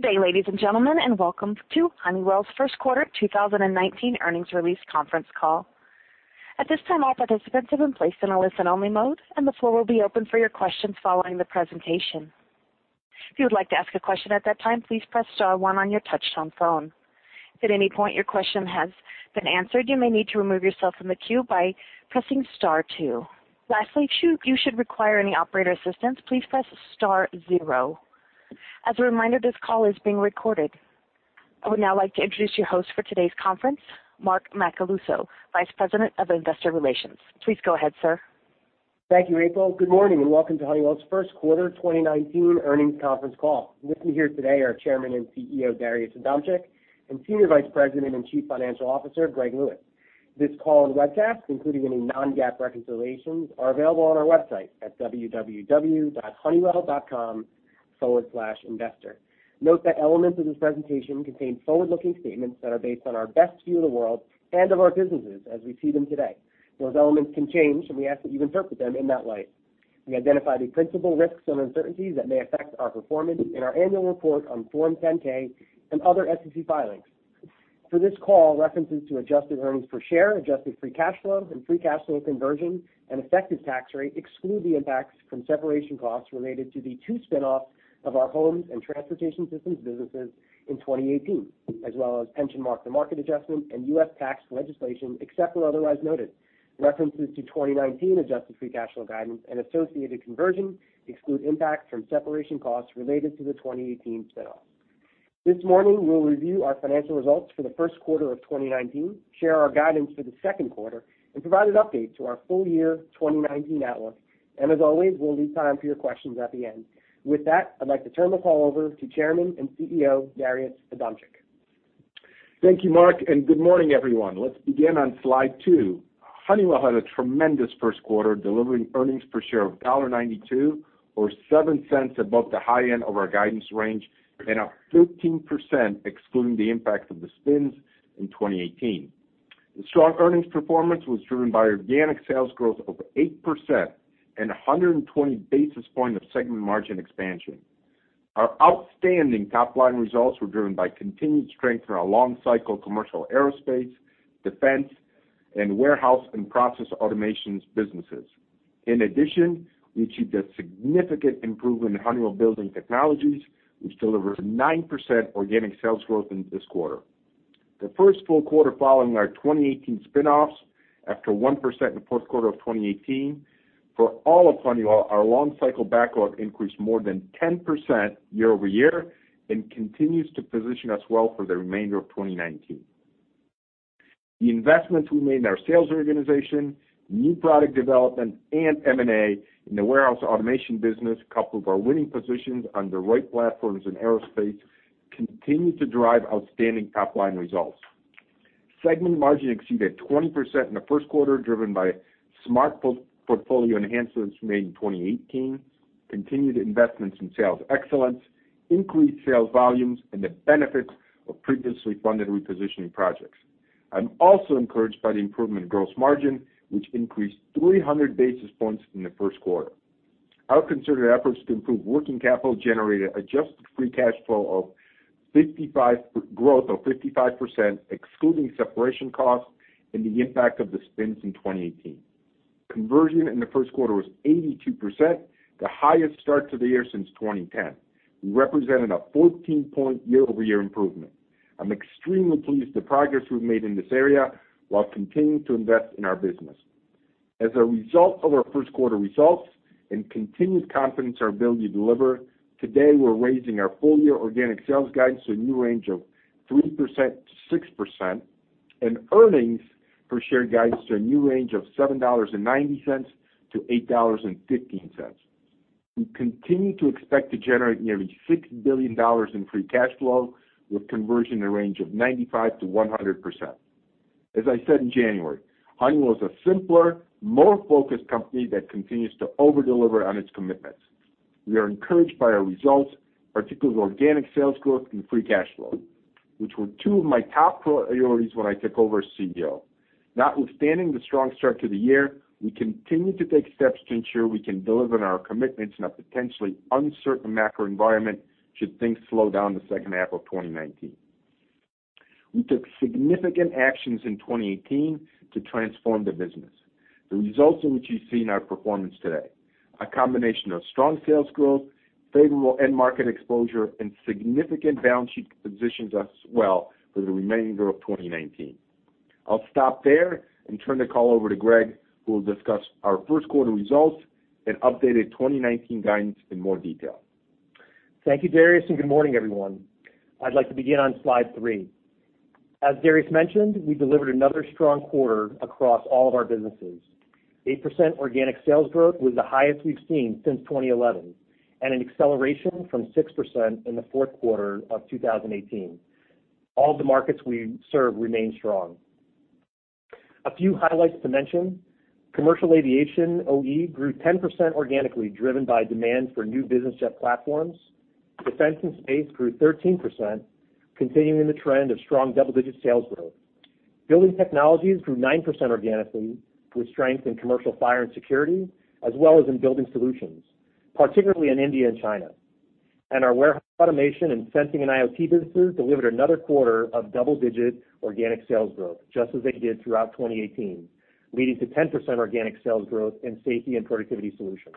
Good day, ladies and gentlemen, and welcome to Honeywell's first quarter 2019 earnings release conference call. At this time, all participants have been placed in a listen-only mode, and the floor will be open for your questions following the presentation. If you would like to ask a question at that time, please press star one on your touchtone phone. If at any point your question has been answered, you may need to remove yourself from the queue by pressing star two. Lastly, should you require any operator assistance, please press star zero. As a reminder, this call is being recorded. I would now like to introduce your host for today's conference, Mark Macaluso, Vice President of Investor Relations. Please go ahead, sir. Thank you, April. Good morning and welcome to Honeywell's first quarter 2019 earnings conference call. With me here today are Chairman and CEO, Darius Adamczyk, and Senior Vice President and Chief Financial Officer, Greg Lewis. This call and webcast, including any non-GAAP reconciliations, are available on our website at www.honeywell.com/investor. Note that elements of this presentation contain forward-looking statements that are based on our best view of the world and of our businesses as we see them today. Those elements can change, and we ask that you interpret them in that light. We identify the principal risks and uncertainties that may affect our performance in our annual report on Form 10-K and other SEC filings. For this call, references to adjusted earnings per share, adjusted free cash flow, and free cash flow conversion and effective tax rate exclude the impacts from separation costs related to the two spin-offs of our homes and transportation systems businesses in 2018, as well as pension mark-to-market adjustment and U.S. tax legislation, except where otherwise noted. References to 2019 adjusted free cash flow guidance and associated conversion exclude impacts from separation costs related to the 2018 spin-offs. This morning, we'll review our financial results for the first quarter of 2019, share our guidance for the second quarter, and provide an update to our full year 2019 outlook. As always, we'll leave time for your questions at the end. With that, I'd like to turn the call over to Chairman and CEO, Darius Adamczyk. Thank you, Mark. Good morning, everyone. Let's begin on slide two. Honeywell had a tremendous first quarter, delivering earnings per share of $1.92 or $0.07 above the high end of our guidance range and up 15% excluding the impact of the spins in 2018. The strong earnings performance was driven by organic sales growth over 8% and 120 basis point of segment margin expansion. Our outstanding top-line results were driven by continued strength for our long cycle commercial aerospace, defense, and warehouse and process automations businesses. In addition, we achieved a significant improvement in Honeywell Building Technologies, which delivered 9% organic sales growth in this quarter. The first full quarter following our 2018 spin-offs after 1% in the fourth quarter of 2018. For all of Honeywell, our long-cycle backlog increased more than 10% year-over-year and continues to position us well for the remainder of 2019. The investments we made in our sales organization, new product development, and M&A in the warehouse automation business, coupled with our winning positions on the right platforms and aerospace, continue to drive outstanding top-line results. Segment margin exceeded 20% in the first quarter, driven by smart portfolio enhancements made in 2018, continued investments in sales excellence, increased sales volumes, and the benefits of previously funded repositioning projects. I'm also encouraged by the improvement in gross margin, which increased 300 basis points in the first quarter. Our concerted efforts to improve working capital generated adjusted free cash flow of 55% growth, excluding separation costs and the impact of the spins in 2018. Conversion in the first quarter was 82%, the highest start to the year since 2010. We represented a 14-point year-over-year improvement. I'm extremely pleased with the progress we've made in this area while continuing to invest in our business. A result of our first quarter results and continued confidence in our ability to deliver, today we're raising our full-year organic sales guidance to a new range of 3% to 6% and earnings per share guidance to a new range of $7.90 to $8.15. We continue to expect to generate nearly $6 billion in free cash flow with conversion in the range of 95% to 100%. As I said in January, Honeywell is a simpler, more focused company that continues to over-deliver on its commitments. We are encouraged by our results, particularly organic sales growth and free cash flow, which were two of my top priorities when I took over as CEO. Notwithstanding the strong start to the year, we continue to take steps to ensure we can deliver on our commitments in a potentially uncertain macro environment should things slow down in the second half of 2019. We took significant actions in 2018 to transform the business, the results of which you see in our performance today. A combination of strong sales growth, favorable end-market exposure, and significant balance sheet positions us well for the remainder of 2019. I'll stop there and turn the call over to Greg, who will discuss our first quarter results and updated 2019 guidance in more detail. Thank you, Darius, and good morning, everyone. I'd like to begin on slide three. As Darius mentioned, we delivered another strong quarter across all of our businesses. 8% organic sales growth was the highest we've seen since 2011 and an acceleration from 6% in the fourth quarter of 2018. All the markets we serve remain strong. A few highlights to mention. Commercial aviation OE grew 10% organically, driven by demand for new business jet platforms. Defense and space grew 13%, continuing the trend of strong double-digit sales growth. Building Technologies grew 9% organically with strength in commercial fire and security, as well as in building solutions, particularly in India and China. Our warehouse automation and sensing and IoT businesses delivered another quarter of double-digit organic sales growth, just as they did throughout 2018, leading to 10% organic sales growth in Safety and Productivity Solutions.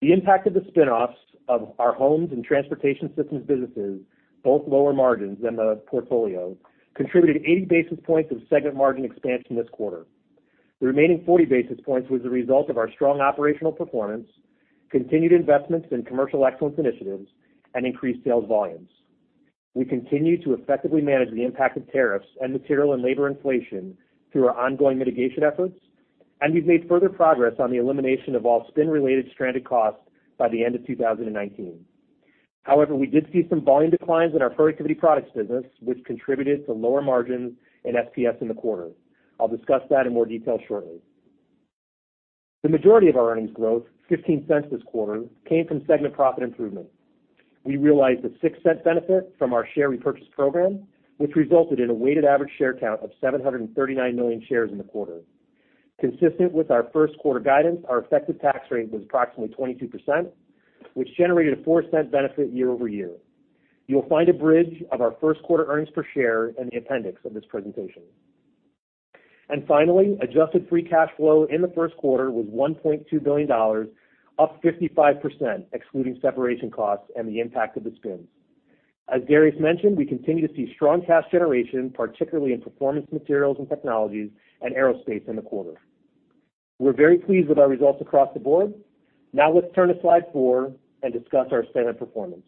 The impact of the spin-offs of our homes and transportation systems businesses, both lower margins than the portfolio, contributed 80 basis points of segment margin expansion this quarter. The remaining 40 basis points was the result of our strong operational performance, continued investments in commercial excellence initiatives, and increased sales volumes. We continue to effectively manage the impact of tariffs and material and labor inflation through our ongoing mitigation efforts, and we've made further progress on the elimination of all spin-related stranded costs by the end of 2019. We did see some volume declines in our productivity products business, which contributed to lower margins and SPS in the quarter. I'll discuss that in more detail shortly. The majority of our earnings growth, $0.15 this quarter, came from segment profit improvements. We realized a $0.06 benefit from our share repurchase program, which resulted in a weighted average share count of 739 million shares in the quarter. Consistent with our first quarter guidance, our effective tax rate was approximately 22%, which generated a $0.04 benefit year-over-year. You'll find a bridge of our first quarter earnings per share in the appendix of this presentation. Finally, adjusted free cash flow in the first quarter was $1.2 billion, up 55%, excluding separation costs and the impact of the spins. As Darius mentioned, we continue to see strong cash generation, particularly in Performance Materials and Technologies and aerospace in the quarter. We're very pleased with our results across the board. Let's turn to slide four and discuss our segment performance.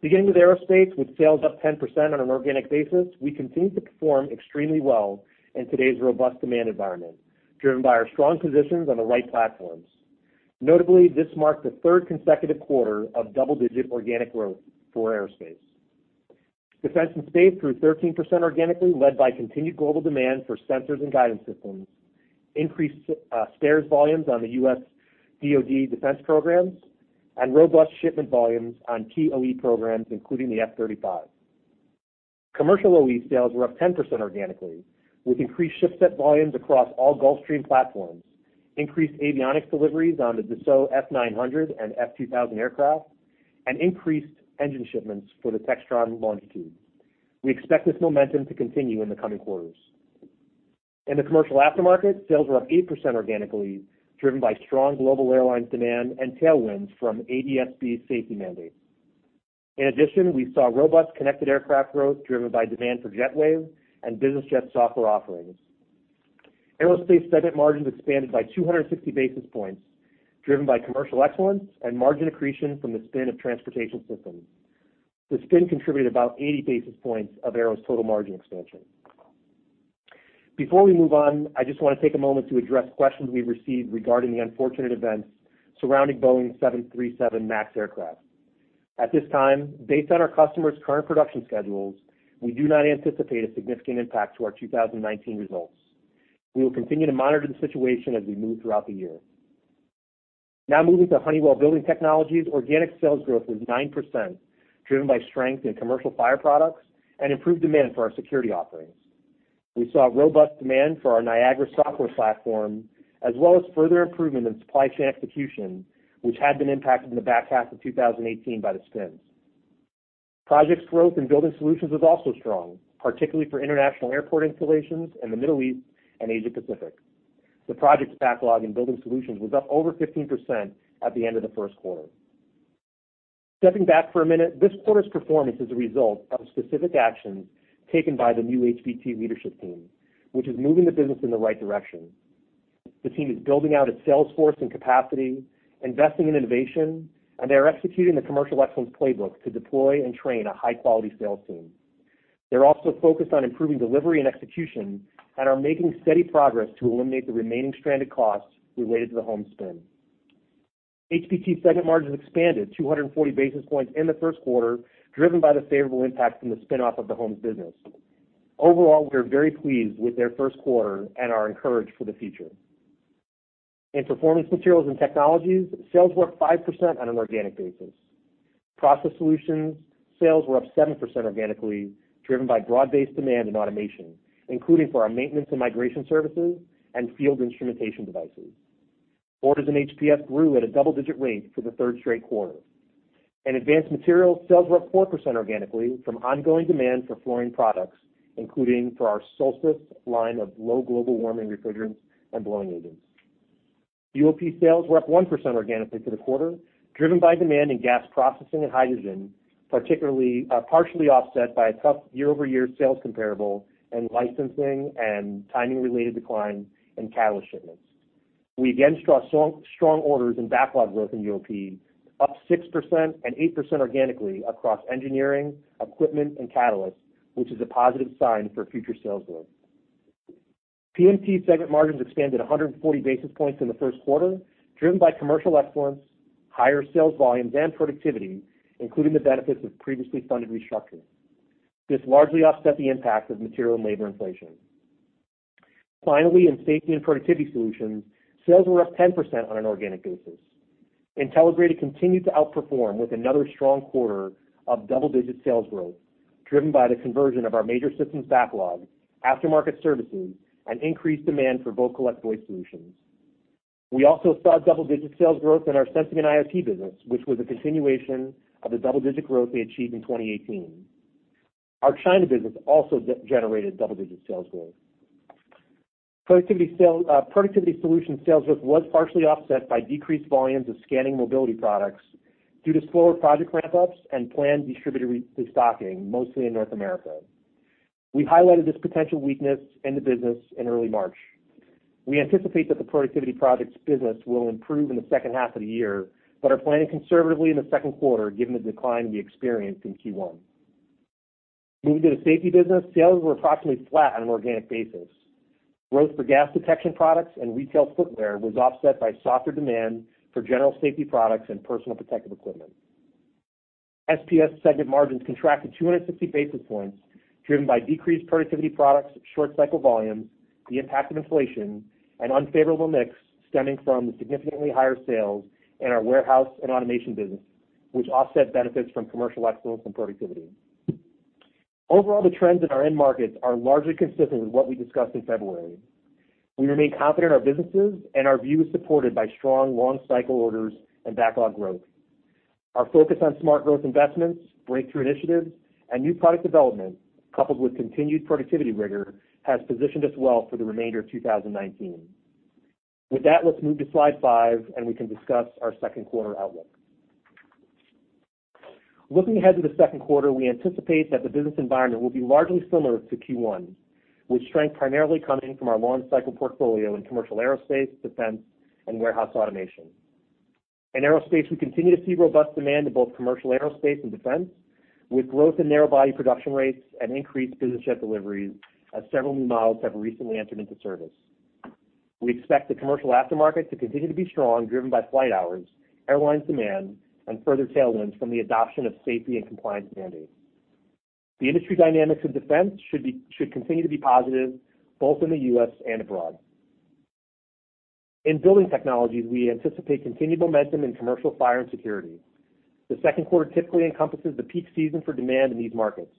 Beginning with aerospace, with sales up 10% on an organic basis, we continue to perform extremely well in today's robust demand environment, driven by our strong positions on the right platforms. Notably, this marked the third consecutive quarter of double-digit organic growth for aerospace. Defense and space grew 13% organically, led by continued global demand for sensors and guidance systems, increased spares volumes on the U.S. DoD defense programs, and robust shipment volumes on key OE programs, including the F-35. Commercial OE sales were up 10% organically, with increased ship set volumes across all Gulfstream platforms, increased avionics deliveries on the Dassault F900 and F2000 aircraft, and increased engine shipments for the Textron Longitude. We expect this momentum to continue in the coming quarters. In the commercial aftermarket, sales were up 8% organically, driven by strong global airlines demand and tailwinds from ADS-B safety mandates. In addition, we saw robust connected aircraft growth driven by demand for JetWave and business jet software offerings. Aerospace segment margins expanded by 260 basis points, driven by commercial excellence and margin accretion from the spin of transportation systems. The spin contributed about 80 basis points of Aero's total margin expansion. Before we move on, I just want to take a moment to address questions we've received regarding the unfortunate events surrounding Boeing's 737 MAX aircraft. At this time, based on our customers' current production schedules, we do not anticipate a significant impact to our 2019 results. We will continue to monitor the situation as we move throughout the year. Now moving to Honeywell Building Technologies, organic sales growth was 9%, driven by strength in commercial fire products and improved demand for our security offerings. We saw robust demand for our Niagara software platform, as well as further improvement in supply chain execution, which had been impacted in the back half of 2018 by the spins. Projects growth in Building Solutions was also strong, particularly for international airport installations in the Middle East and Asia Pacific. The projects backlog in Building Solutions was up over 15% at the end of the first quarter. Stepping back for a minute, this quarter's performance is a result of specific actions taken by the new HBT leadership team, which is moving the business in the right direction. The team is building out its sales force and capacity, investing in innovation, and they are executing the commercial excellence playbook to deploy and train a high-quality sales team. They are also focused on improving delivery and execution and are making steady progress to eliminate the remaining stranded costs related to the home spin. HBT segment margins expanded 240 basis points in the first quarter, driven by the favorable impact from the spin-off of the homes business. Overall, we are very pleased with their first quarter and are encouraged for the future. In Performance Materials and Technologies, sales were up 5% on an organic basis. Process Solutions sales were up 7% organically, driven by broad-based demand in automation, including for our maintenance and migration services and field instrumentation devices. Orders in HPS grew at a double-digit rate for the third straight quarter. In Advanced Materials, sales were up 4% organically from ongoing demand for fluorine products, including for our Solstice line of low global warming refrigerants and blowing agents. UOP sales were up 1% organically for the quarter, driven by demand in gas processing and hydrogen, partially offset by a tough year-over-year sales comparable and licensing and timing-related decline in catalyst shipments. We again saw strong orders and backlog growth in UOP, up 6% and 8% organically across engineering, equipment, and catalysts, which is a positive sign for future sales growth. PMT segment margins expanded 140 basis points in the first quarter, driven by commercial excellence, higher sales volumes, and productivity, including the benefits of previously funded restructuring. This largely offset the impact of material and labor inflation. Finally, in Safety and Productivity Solutions, sales were up 10% on an organic basis. Intelligrated continued to outperform with another strong quarter of double-digit sales growth, driven by the conversion of our major systems backlog, aftermarket services, and increased demand for [vocal employee solutions]. We also saw double-digit sales growth in our sensing and IoT business, which was a continuation of the double-digit growth we achieved in 2018. Our China business also generated double-digit sales growth. Productivity solution sales growth was partially offset by decreased volumes of scanning mobility products due to slower project ramp-ups and planned distributor restocking, mostly in North America. We highlighted this potential weakness in the business in early March. We anticipate that the productivity products business will improve in the second half of the year, but are planning conservatively in the second quarter given the decline we experienced in Q1. Moving to the safety business, sales were approximately flat on an organic basis. Growth for gas detection products and retail footwear was offset by softer demand for general safety products and personal protective equipment. SPS segment margins contracted 250 basis points driven by decreased productivity products, short-cycle volumes, the impact of inflation, and unfavorable mix stemming from the significantly higher sales in our warehouse and automation business, which offset benefits from commercial excellence and productivity. Overall, the trends in our end markets are largely consistent with what we discussed in February. We remain confident in our businesses, and our view is supported by strong long-cycle orders and backlog growth. Our focus on smart growth investments, breakthrough initiatives, and new product development, coupled with continued productivity rigor, has positioned us well for the remainder of 2019. With that, let's move to slide five, and we can discuss our second quarter outlook. Looking ahead to the second quarter, we anticipate that the business environment will be largely similar to Q1, with strength primarily coming from our long-cycle portfolio in commercial aerospace, defense, and warehouse automation. In aerospace, we continue to see robust demand in both commercial aerospace and defense, with growth in narrow-body production rates and increased business jet deliveries as several new models have recently entered into service. We expect the commercial aftermarket to continue to be strong, driven by flight hours, airline demand, and further tailwinds from the adoption of safety and compliance mandates. The industry dynamics of defense should continue to be positive both in the U.S. and abroad. In Building Technologies, we anticipate continued momentum in commercial fire and security. The second quarter typically encompasses the peak season for demand in these markets.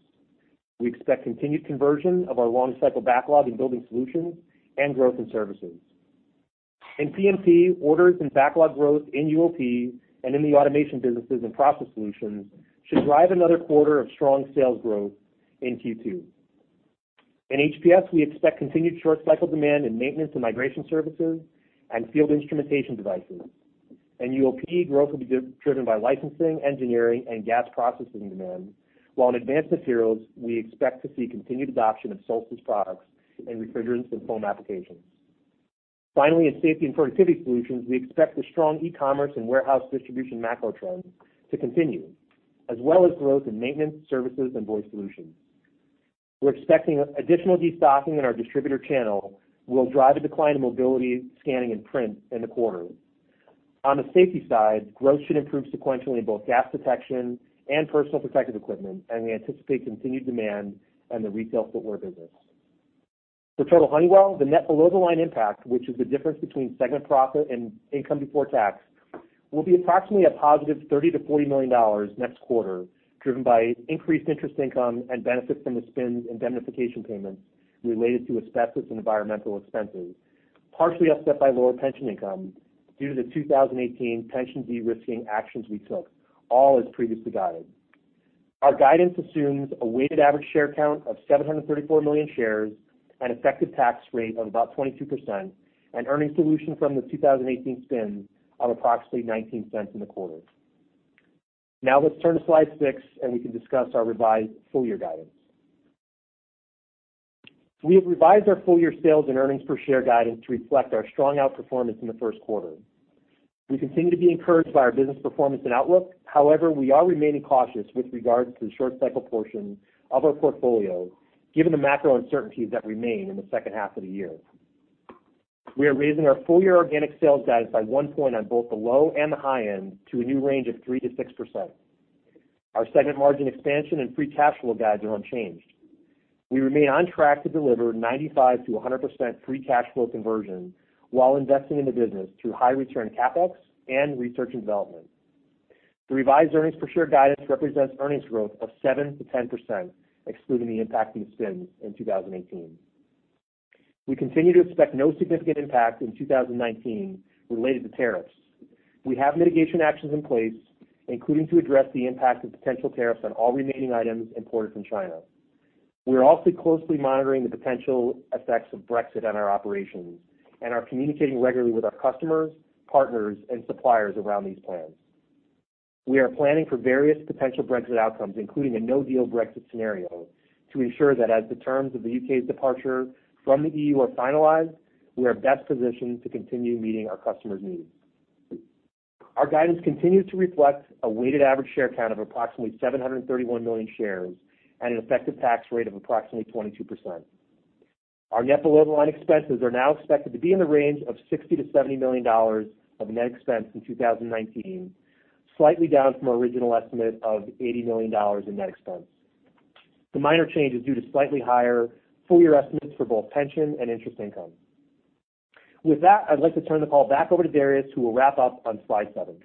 We expect continued conversion of our long-cycle backlog in building solutions and growth in services. In PMT, orders and backlog growth in UOP and in the automation businesses and Process Solutions should drive another quarter of strong sales growth in Q2. In HPS, we expect continued short-cycle demand in maintenance and migration services and field instrumentation devices. In UOP, growth will be driven by licensing, engineering, and gas processing demand, while in advanced materials, we expect to see continued adoption of Solstice products in refrigerants and foam applications. Finally, in Safety and Productivity Solutions, we expect the strong e-commerce and warehouse distribution macro trends to continue, as well as growth in maintenance, services, and voice solutions. We're expecting additional destocking in our distributor channel will drive a decline in mobility, scanning, and print in the quarter. On the safety side, growth should improve sequentially in both gas detection and personal protective equipment, and we anticipate continued demand in the retail footwear business. For total Honeywell, the net below-the-line impact, which is the difference between segment profit and income before tax, will be approximately a positive $30 million-$40 million next quarter, driven by increased interest income and benefits from the spin and indemnification payments related to asbestos and environmental expenses, partially offset by lower pension income due to the 2018 pension de-risking actions we took, all as previously guided. Our guidance assumes a weighted average share count of 734 million shares, an effective tax rate of about 22%, and earnings dilution from the 2018 spin of approximately $0.19 in the quarter. Let's turn to slide six. We can discuss our revised full-year guidance. We have revised our full-year sales and earnings per share guidance to reflect our strong outperformance in the first quarter. We continue to be encouraged by our business performance and outlook. We are remaining cautious with regards to the short-cycle portion of our portfolio, given the macro uncertainties that remain in the second half of the year. We are raising our full-year organic sales guidance by one point on both the low and the high end to a new range of 3%-6%. Our segment margin expansion and free cash flow guides are unchanged. We remain on track to deliver 95%-100% free cash flow conversion while investing in the business through high-return CapEx and research and development. The revised earnings per share guidance represents earnings growth of 7%-10%, excluding the impact of the spin in 2018. We continue to expect no significant impact in 2019 related to tariffs. We have mitigation actions in place, including to address the impact of potential tariffs on all remaining items imported from China. We are also closely monitoring the potential effects of Brexit on our operations and are communicating regularly with our customers, partners, and suppliers around these plans. We are planning for various potential Brexit outcomes, including a no-deal Brexit scenario, to ensure that as the terms of the U.K.'s departure from the EU are finalized, we are best positioned to continue meeting our customers' needs. Our guidance continues to reflect a weighted average share count of approximately 731 million shares and an effective tax rate of approximately 22%. Our net below-the-line expenses are now expected to be in the range of $60 million-$70 million of net expense in 2019, slightly down from our original estimate of $80 million in net expense. The minor change is due to slightly higher full year estimates for both pension and interest income. I'd like to turn the call back over to Darius, who will wrap up on slide seven.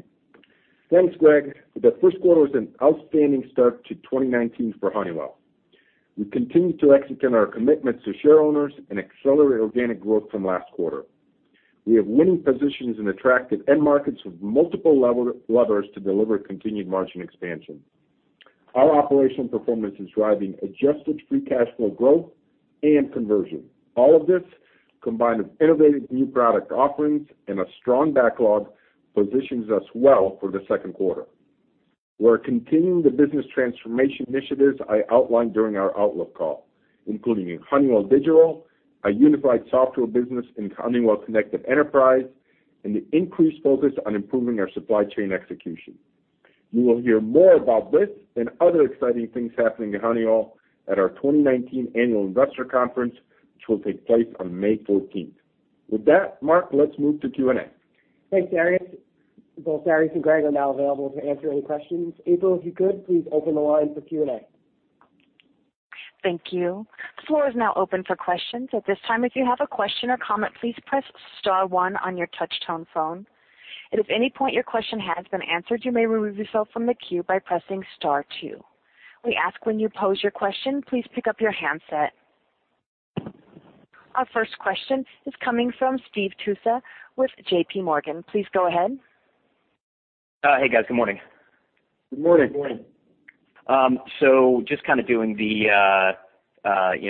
Thanks, Greg. The first quarter was an outstanding start to 2019 for Honeywell. We continued to execute on our commitments to shareholders and accelerate organic growth from last quarter. We have winning positions in attractive end markets with multiple levers to deliver continued margin expansion. Our operational performance is driving adjusted free cash flow growth and conversion. All of this, combined with innovative new product offerings and a strong backlog, positions us well for the second quarter. We are continuing the business transformation initiatives I outlined during our outlook call, including Honeywell Digital, a unified software business in Honeywell Connected Enterprise, and the increased focus on improving our supply chain execution. You will hear more about this and other exciting things happening at Honeywell at our 2019 annual investor conference, which will take place on May 14th. With that, Mark, let's move to Q&A. Thanks, Darius. Both Darius and Greg are now available to answer any questions. April, if you could, please open the line for Q&A. Thank you. The floor is now open for questions. At this time, if you have a question or comment, please press *1 on your touch-tone phone. If at any point your question has been answered, you may remove yourself from the queue by pressing *2. We ask when you pose your question, please pick up your handset. Our first question is coming from Steve Tusa with J.P. Morgan. Please go ahead. Hey, guys. Good morning. Good morning. Good morning.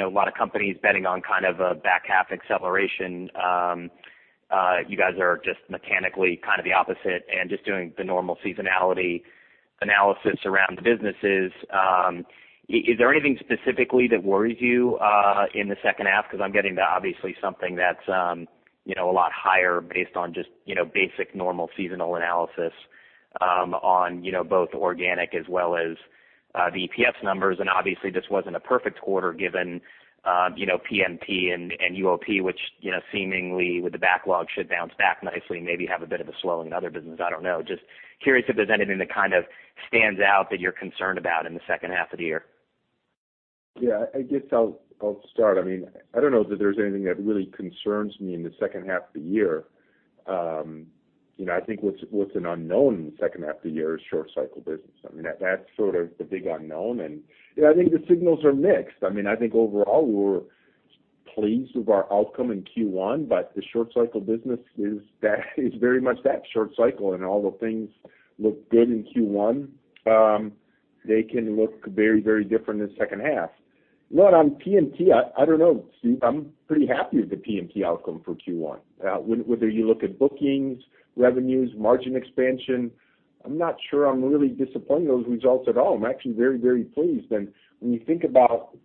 A lot of companies betting on kind of a back half acceleration. You guys are just mechanically kind of the opposite and just doing the normal seasonality analysis around the businesses. Is there anything specifically that worries you in the second half? I'm getting to obviously something that's a lot higher based on just basic normal seasonal analysis on both organic as well as the EPS numbers. Obviously, this wasn't a perfect quarter given PMT and UOP, which seemingly with the backlog should bounce back nicely and maybe have a bit of a slow in other business. I don't know. Just curious if there's anything that kind of stands out that you're concerned about in the second half of the year. I guess I'll start. I don't know that there's anything that really concerns me in the second half of the year. I think what's an unknown in the second half of the year is short cycle business. That's sort of the big unknown, and I think the signals are mixed. I think overall, we were pleased with our outcome in Q1, but the short cycle business is very much that, short cycle, and although things looked good in Q1, they can look very different in the second half. On PMT, I don't know, Steve. I'm pretty happy with the PMT outcome for Q1. Whether you look at bookings, revenues, margin expansion, I'm not sure I'm really disappointed with those results at all. I'm actually very pleased. When you think about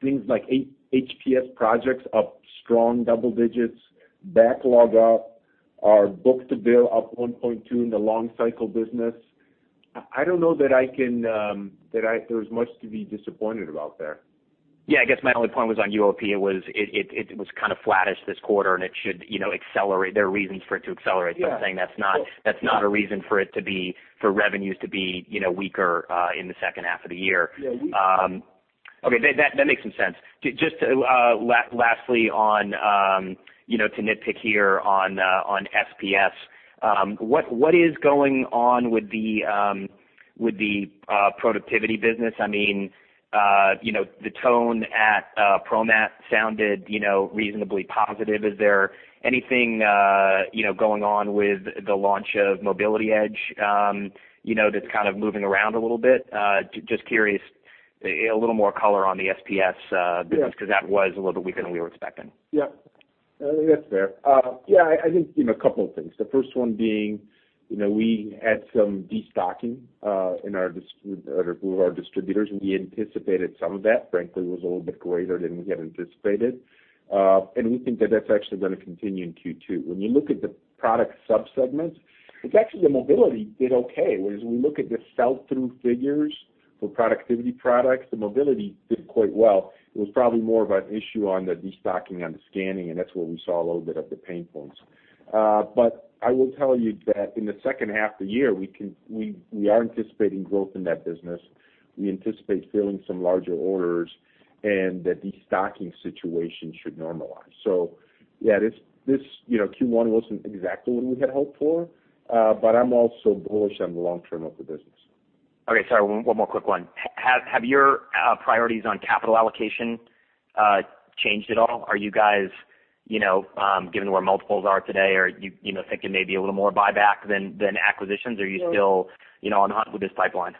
things like HPS projects up strong double digits, backlog up, our book-to-bill up 1.2 in the long cycle business, I don't know that there's much to be disappointed about there. Yeah, I guess my only point was on UOP. It was kind of flattish this quarter, and it should accelerate. There are reasons for it to accelerate. Yeah I'm saying that's not a reason for revenues to be weaker in the second half of the year. Yeah. Okay. That makes sense. Just lastly, to nitpick here on SPS, what is going on with the productivity business? The tone at ProMat sounded reasonably positive. Is there anything going on with the launch of Mobility Edge that's kind of moving around a little bit? Just curious, a little more color on the SPS business. Yeah That was a little bit weaker than we were expecting. Yeah. I think that's fair. I think a couple of things. The first one being we had some de-stocking with our distributors, and we anticipated some of that. Frankly, it was a little bit greater than we had anticipated. We think that that's actually going to continue in Q2. When you look at the product sub-segments, it's actually the mobility did okay. Whereas when we look at the sell-through figures for productivity products, the mobility did quite well. It was probably more of an issue on the de-stocking on the scanning, and that's where we saw a little bit of the pain points. I will tell you that in the second half of the year, we are anticipating growth in that business. We anticipate filling some larger orders and that de-stocking situation should normalize. Yeah, Q1 wasn't exactly what we had hoped for. I'm also bullish on the long term of the business. Okay. Sorry, one more quick one. Have your priorities on capital allocation changed at all? Are you guys, given where multiples are today, are you thinking maybe a little more buyback than acquisitions? Yeah. Are you still on hunt with this pipeline?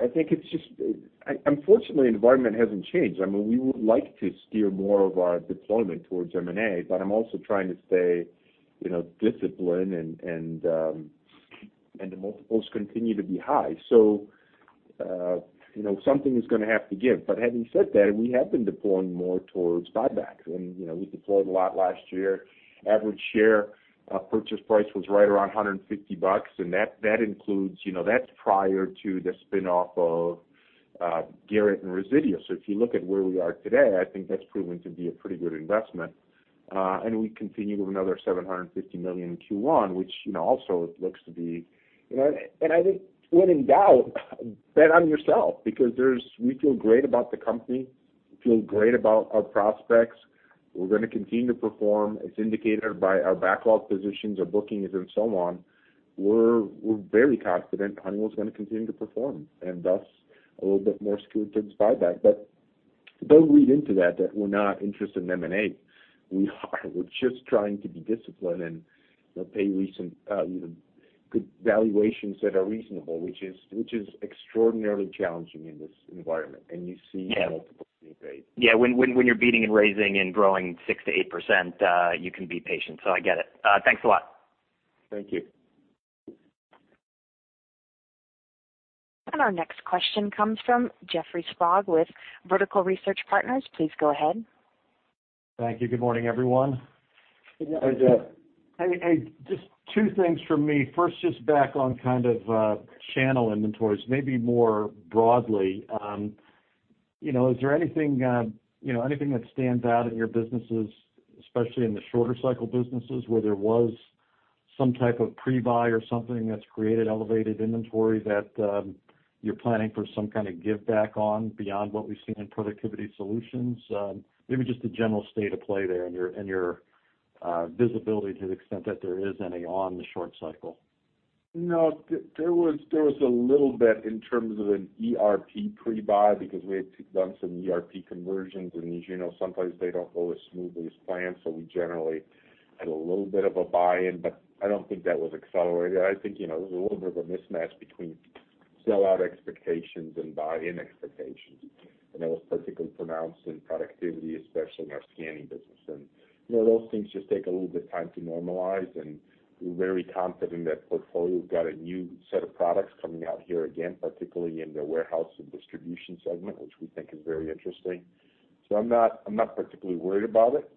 I think unfortunately, environment hasn't changed. We would like to steer more of our deployment towards M&A, but I'm also trying to stay disciplined, and the multiples continue to be high, so something is going to have to give. Having said that, we have been deploying more towards buybacks. We deployed a lot last year. Average share purchase price was right around $150, and that's prior to the spin-off of Garrett and Resideo. If you look at where we are today, I think that's proven to be a pretty good investment. We continue with another $750 million in Q1, which also looks to be. I think when in doubt, bet on yourself, because we feel great about the company, we feel great about our prospects. We're going to continue to perform as indicated by our backlog positions, our bookings, and so on. We're very confident Honeywell's going to continue to perform, and thus, a little bit more skewed towards buyback. Don't read into that we're not interested in M&A. We are. We're just trying to be disciplined and pay recent good valuations that are reasonable, which is extraordinarily challenging in this environment. You see multiples being paid. Yeah. When you're beating and raising and growing 6% to 8%, you can be patient. I get it. Thanks a lot. Thank you. Our next question comes from Jeffrey Sprague with Vertical Research Partners. Please go ahead. Thank you. Good morning, everyone. Good morning, Jeff. Hey. Just two things from me. First, just back on channel inventories, maybe more broadly. Is there anything that stands out in your businesses, especially in the shorter cycle businesses, where there was some type of pre-buy or something that's created elevated inventory that you're planning for some kind of give back on beyond what we've seen in Productivity Solutions? Maybe just a general state of play there and your visibility to the extent that there is any on the short cycle. No, there was a little bit in terms of an ERP pre-buy because we had done some ERP conversions, and as you know, sometimes they don't go as smoothly as planned. We generally had a little bit of a buy-in, but I don't think that was accelerated. I think it was a little bit of a mismatch between sellout expectations and buy-in expectations, and that was particularly pronounced in Productivity, especially in our scanning business. Those things just take a little bit time to normalize, and we're very confident that portfolio's got a new set of products coming out here again, particularly in the warehouse and distribution segment, which we think is very interesting. I'm not particularly worried about it.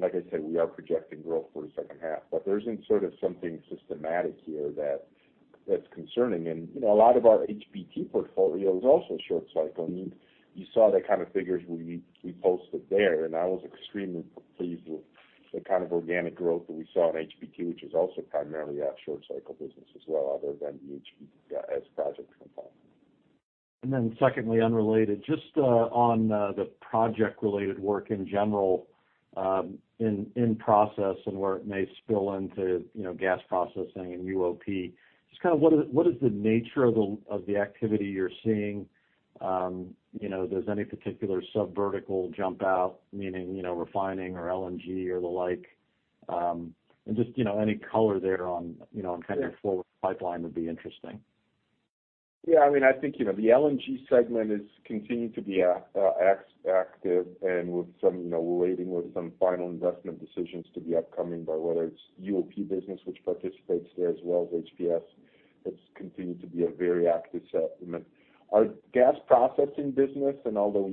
Like I said, we are projecting growth for the second half, but there isn't sort of something systematic here that's concerning. A lot of our PMT portfolio is also short cycle. You saw the kind of figures we posted there, and I was extremely pleased with the kind of organic growth that we saw in PMT, which is also primarily our short cycle business as well, other than the HPS project component. Secondly, unrelated, just on the project-related work in general, in process and where it may spill into gas processing and UOP. Just what is the nature of the activity you're seeing? Does any particular sub-vertical jump out, meaning refining or LNG or the like? Just any color there on kind of your forward pipeline would be interesting. Yeah, I think the LNG segment has continued to be active and we're waiting with some final investment decisions to be upcoming by whether it's UOP business, which participates there, as well as HPS. That's continued to be a very active segment. Our gas processing business, although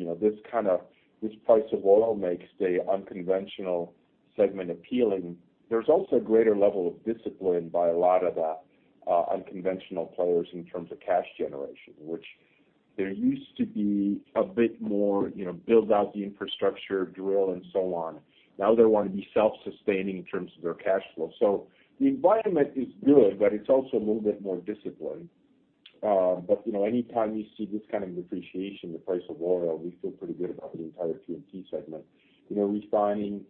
this price of oil makes the unconventional segment appealing, there's also a greater level of discipline by a lot of the unconventional players in terms of cash generation. Which there used to be a bit more build out the infrastructure, drill, and so on. Now they want to be self-sustaining in terms of their cash flow. The environment is good, but it's also a little bit more disciplined. Anytime you see this kind of depreciation in the price of oil, we feel pretty good about the entire PMT segment. Refining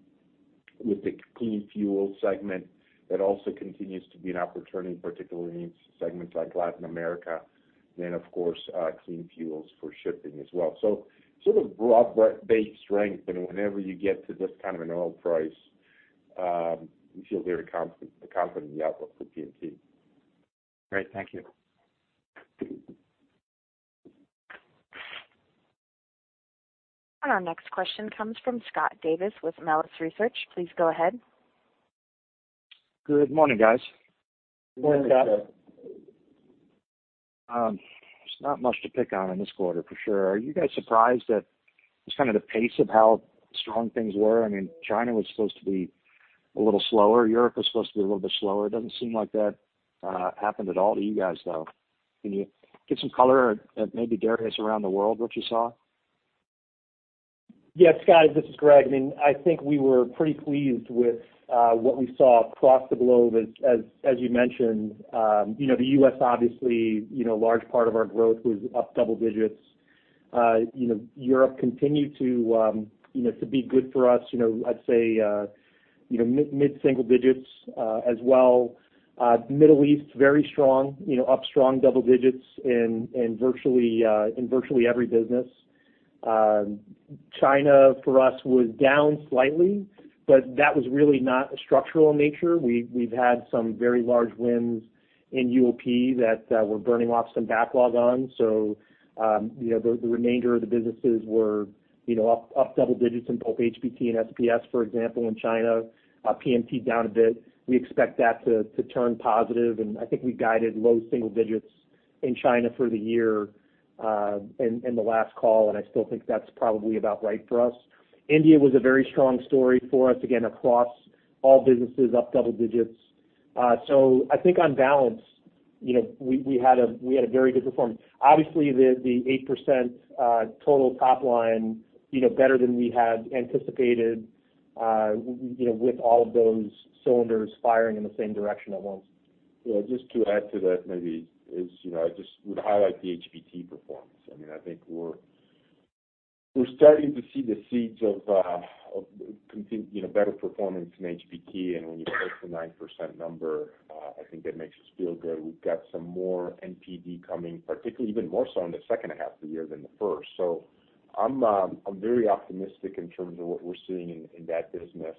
with the clean fuel segment, that also continues to be an opportunity, particularly in segments like Latin America. Of course, clean fuels for shipping as well. Sort of broad-based strength. Whenever you get to this kind of an oil price, we feel very confident in the outlook for PMT. Great. Thank you. Our next question comes from Scott Davis with Melius Research. Please go ahead. Good morning, guys. Good morning, Scott. There's not much to pick on in this quarter, for sure. Are you guys surprised at just kind of the pace of how strong things were? China was supposed to be a little slower. Europe was supposed to be a little bit slower. It doesn't seem like that happened at all to you guys, though. Can you give some color at maybe areas around the world which you saw? Yeah, Scott, this is Greg. I think we were pretty pleased with what we saw across the globe, as you mentioned. The U.S., obviously, a large part of our growth was up double digits. Europe continued to be good for us. I'd say mid-single digits as well. Middle East, very strong. Up strong double digits in virtually every business. China, for us, was down slightly, but that was really not a structural nature. We've had some very large wins in UOP that we're burning off some backlog on. The remainder of the businesses were up double digits in both PMT and SPS, for example, in China. PMT down a bit. We expect that to turn positive, and I think we guided low single digits in China for the year in the last call, and I still think that's probably about right for us. India was a very strong story for us, again, across all businesses, up double digits. I think on balance, we had a very good performance. Obviously, the 8% total top line, better than we had anticipated with all of those cylinders firing in the same direction at once. Yeah. Just to add to that, maybe, I just would highlight the PMT performance. I think we're starting to see the seeds of better performance in PMT. When you hit the 9% number, I think that makes us feel good. We've got some more NPD coming, particularly even more so in the second half of the year than the first. I'm very optimistic in terms of what we're seeing in that business.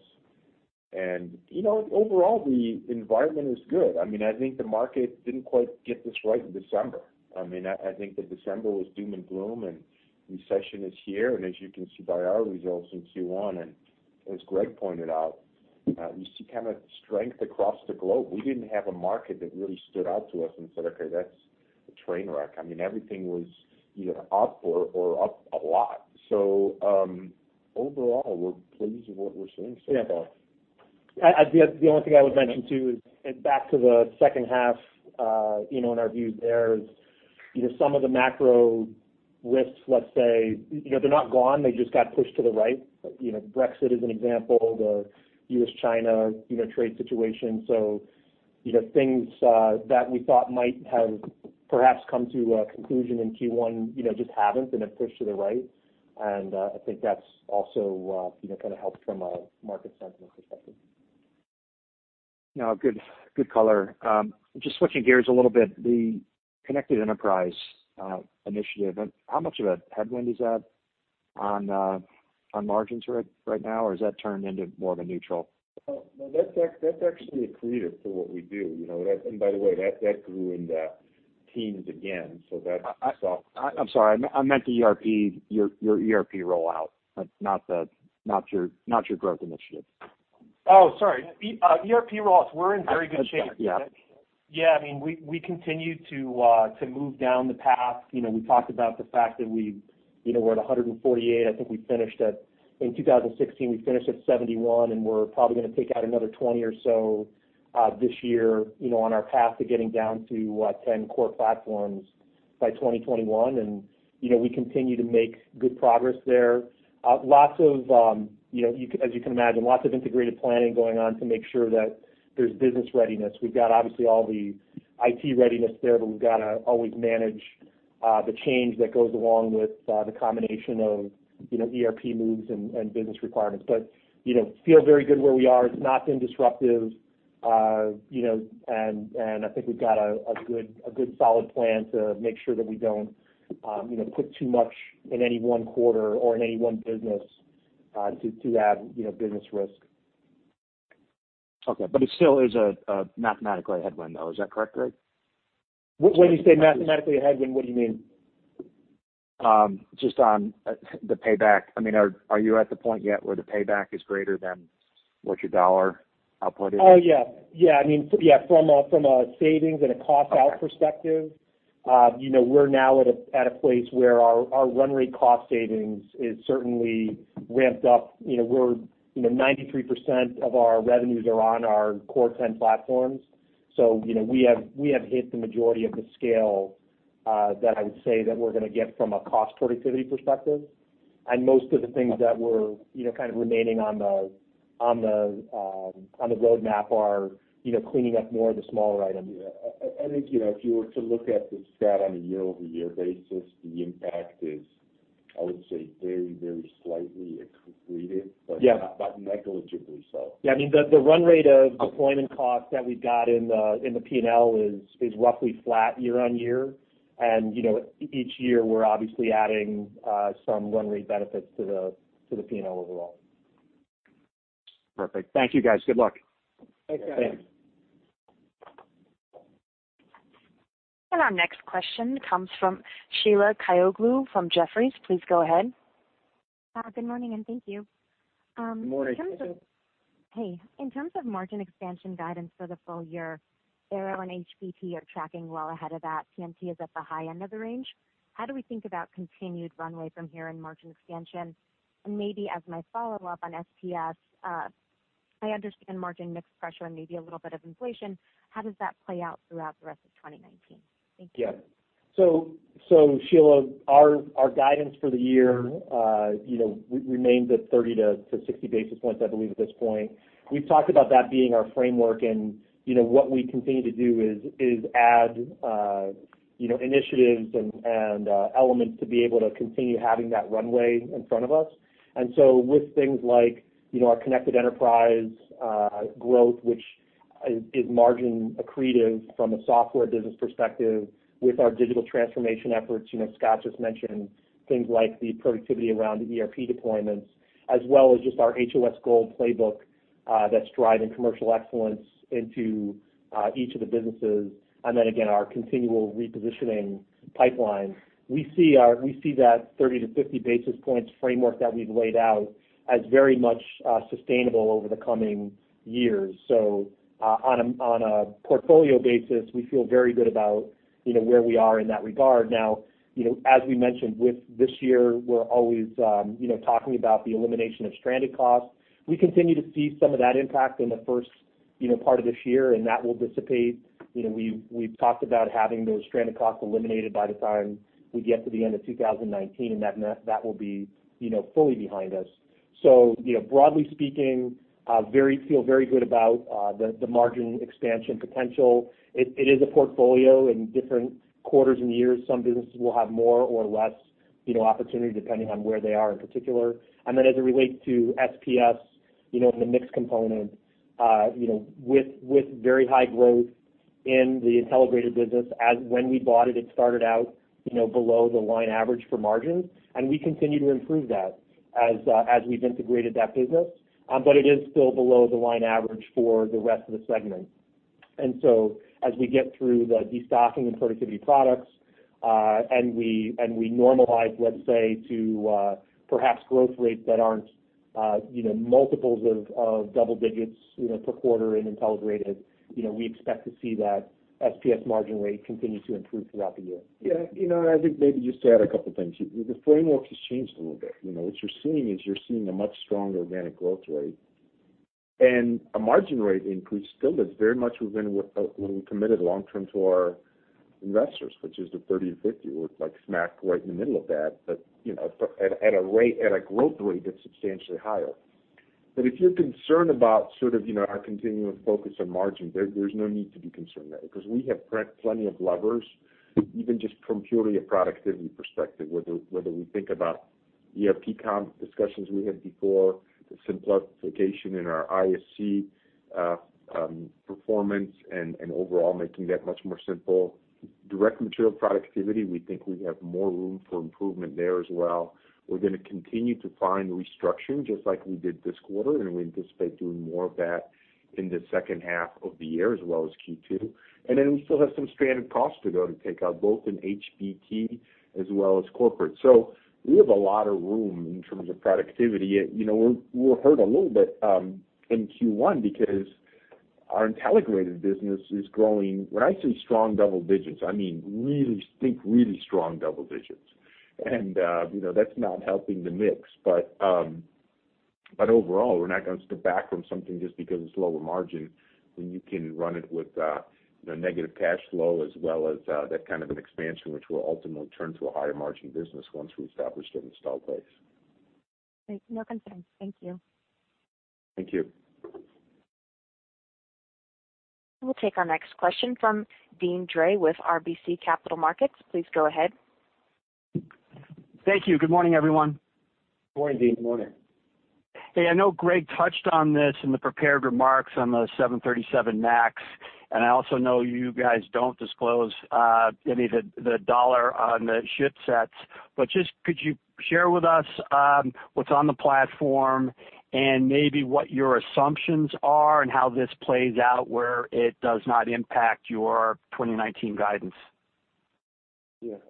Overall, the environment is good. I think the market didn't quite get this right in December. I think that December was doom and gloom, and recession is here. As you can see by our results in Q1, and as Greg pointed out, we see kind of strength across the globe. We didn't have a market that really stood out to us and said, "Okay, that's a train wreck." Everything was either up or up a lot. Overall, we're pleased with what we're seeing so far. The only thing I would mention, too, is back to the second half in our view there is some of the macro risks, let's say, they're not gone, they just got pushed to the right. Brexit is an example, the U.S.-China trade situation. Things that we thought might have perhaps come to a conclusion in Q1 just haven't been pushed to the right. I think that's also helped from a market sentiment perspective. No, good color. Just switching gears a little bit, the Connected Enterprise initiative, how much of a headwind is that on margins right now? Has that turned into more of a neutral? That's actually accretive to what we do. By the way, that grew in the teens again. I'm sorry. I meant the ERP, your ERP rollout, not your growth initiative. Oh, sorry. ERP rollouts, we're in very good shape. Yeah. Yeah, we continue to move down the path. We talked about the fact that we're at 148. I think we finished at, in 2016, we finished at 71, we're probably going to take out another 20 or so this year on our path to getting down to 10 core platforms by 2021. We continue to make good progress there. As you can imagine, lots of integrated planning going on to make sure that there's business readiness. We've got, obviously, all the IT readiness there, but we've got to always manage the change that goes along with the combination of ERP moves and business requirements. Feel very good where we are. It's not been disruptive. I think we've got a good solid plan to make sure that we don't put too much in any one quarter or in any one business to add business risk. Okay. It still is a mathematically headwind, though. Is that correct, Greg? When you say mathematically a headwind, what do you mean? Just on the payback. Are you at the point yet where the payback is greater than what your dollar output is? Oh, yeah. From a savings and a cost-out perspective, we're now at a place where our run rate cost savings is certainly ramped up. 93% of our revenues are on our core 10 platforms. We have hit the majority of the scale that I would say that we're going to get from a cost productivity perspective. Most of the things that were kind of remaining on the roadmap are cleaning up more of the small items. I think, if you were to look at the stat on a year-over-year basis, the impact is, I would say, very, very slightly accretive. Yeah. Negligibly so. Yeah. The run rate of deployment costs that we've got in the P&L is roughly flat year-on-year. Each year, we're obviously adding some run rate benefits to the P&L overall. Perfect. Thank you guys. Good luck. Thanks, guys. Thanks. Our next question comes from Sheila Kahyaoglu from Jefferies. Please go ahead. Good morning, and thank you. Good morning. Good morning. Hey. In terms of margin expansion guidance for the full year, Aero and PMT are tracking well ahead of that. SPS is at the high end of the range. How do we think about continued runway from here and margin expansion? Maybe as my follow-up on SPS, I understand margin mix pressure and maybe a little bit of inflation. How does that play out throughout the rest of 2019? Thank you. Yeah. Sheila, our guidance for the year remains at 30 to 60 basis points, I believe, at this point. We've talked about that being our framework. What we continue to do is add initiatives and elements to be able to continue having that runway in front of us. With things like our Connected Enterprise growth, which is margin accretive from a software business perspective with our digital transformation efforts, Scott just mentioned things like the productivity around the ERP deployments, as well as just our HOS Gold Playbook that's driving commercial excellence into each of the businesses. Then again, our continual repositioning pipeline. We see that 30 to 50 basis points framework that we've laid out as very much sustainable over the coming years. On a portfolio basis, we feel very good about where we are in that regard. As we mentioned with this year, we're always talking about the elimination of stranded costs. We continue to see some of that impact in the first part of this year. That will dissipate. We've talked about having those stranded costs eliminated by the time we get to the end of 2019. That will be fully behind us. Broadly speaking, feel very good about the margin expansion potential. It is a portfolio in different quarters and years. Some businesses will have more or less opportunity depending on where they are in particular. Then as it relates to SPS in the mix component, with very high growth in the Intelligrated business as when we bought it started out below the line average for margins. We continue to improve that as we've integrated that business. It is still below the line average for the rest of the segment. As we get through the de-stocking and productivity products, we normalize, let's say, to perhaps growth rates that aren't multiples of double digits per quarter in Intelligrated, we expect to see that SPS margin rate continue to improve throughout the year. Yeah. I think maybe just to add a couple things. The framework has changed a little bit. What you're seeing is you're seeing a much stronger organic growth rate, a margin rate increase still that's very much within what we committed long-term to our investors, which is the 30 to 50. We're smacked right in the middle of that, but at a growth rate that's substantially higher. If you're concerned about sort of our continuous focus on margin, there's no need to be concerned there, because we have plenty of levers, even just from purely a productivity perspective, whether we think about ERP comp discussions we had before, the simplification in our ISC performance. Overall making that much more simple. Direct material productivity, we think we have more room for improvement there as well. We're going to continue to find restructuring, just like we did this quarter. We anticipate doing more of that in the second half of the year, as well as Q2. We still have some stranded costs to go to take out, both in HBT as well as corporate. We have a lot of room in terms of productivity. We're hurt a little bit in Q1 because our Intelligrated business is growing. When I say strong double digits, I mean really think really strong double digits. That's not helping the mix. Overall, we're not going to step back from something just because it's lower margin when you can run it with negative cash flow as well as that kind of an expansion, which will ultimately turn to a higher margin business once we've established an install base. No concerns. Thank you. Thank you. We'll take our next question from Deane Dray with RBC Capital Markets. Please go ahead. Thank you. Good morning, everyone. Good morning, Deane. Good morning. Hey, I know Greg touched on this in the prepared remarks on the 737 MAX, and I also know you guys don't disclose any of the dollar on the ship sets, but just could you share with us what's on the platform and maybe what your assumptions are and how this plays out, where it does not impact your 2019 guidance?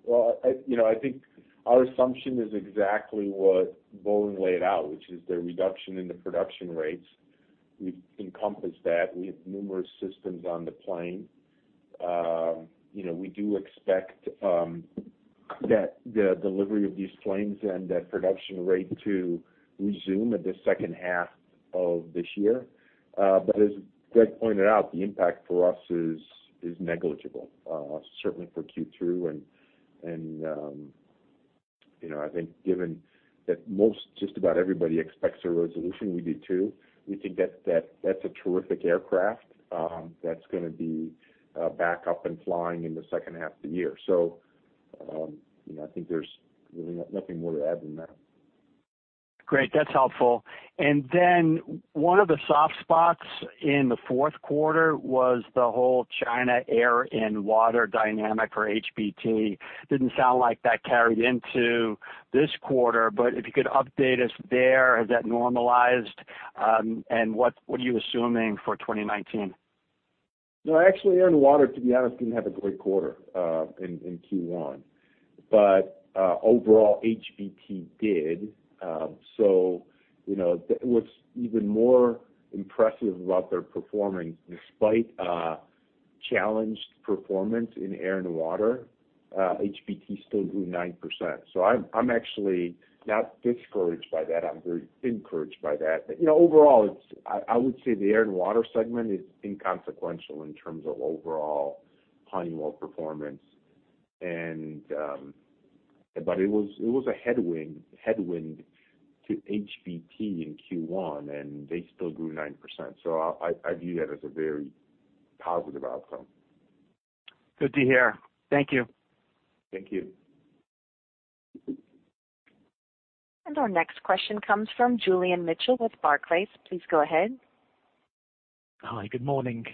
Well, I think our assumption is exactly what Boeing laid out, which is the reduction in the production rates. We've encompassed that. We have numerous systems on the plane. We do expect that the delivery of these planes and that production rate to resume at the second half of this year. As Greg pointed out, the impact for us is negligible, certainly for Q2. I think given that most just about everybody expects a resolution, we do too. We think that's a terrific aircraft that's going to be back up and flying in the second half of the year. I think there's really nothing more to add than that. Great. That's helpful. Then one of the soft spots in the fourth quarter was the whole China air and water dynamic for HBT. Didn't sound like that carried into this quarter, but if you could update us there, has that normalized? What are you assuming for 2019? Actually, air and water, to be honest, didn't have a great quarter in Q1. Overall, HBT did. What's even more impressive about their performance, despite a challenged performance in air and water, HBT still grew 9%. I'm actually not discouraged by that. I'm very encouraged by that. Overall, I would say the air and water segment is inconsequential in terms of overall Honeywell performance. It was a headwind to HBT in Q1, and they still grew 9%, so I view that as a very positive outcome. Good to hear. Thank you. Thank you. Our next question comes from Julian Mitchell with Barclays. Please go ahead. Hi. Good morning.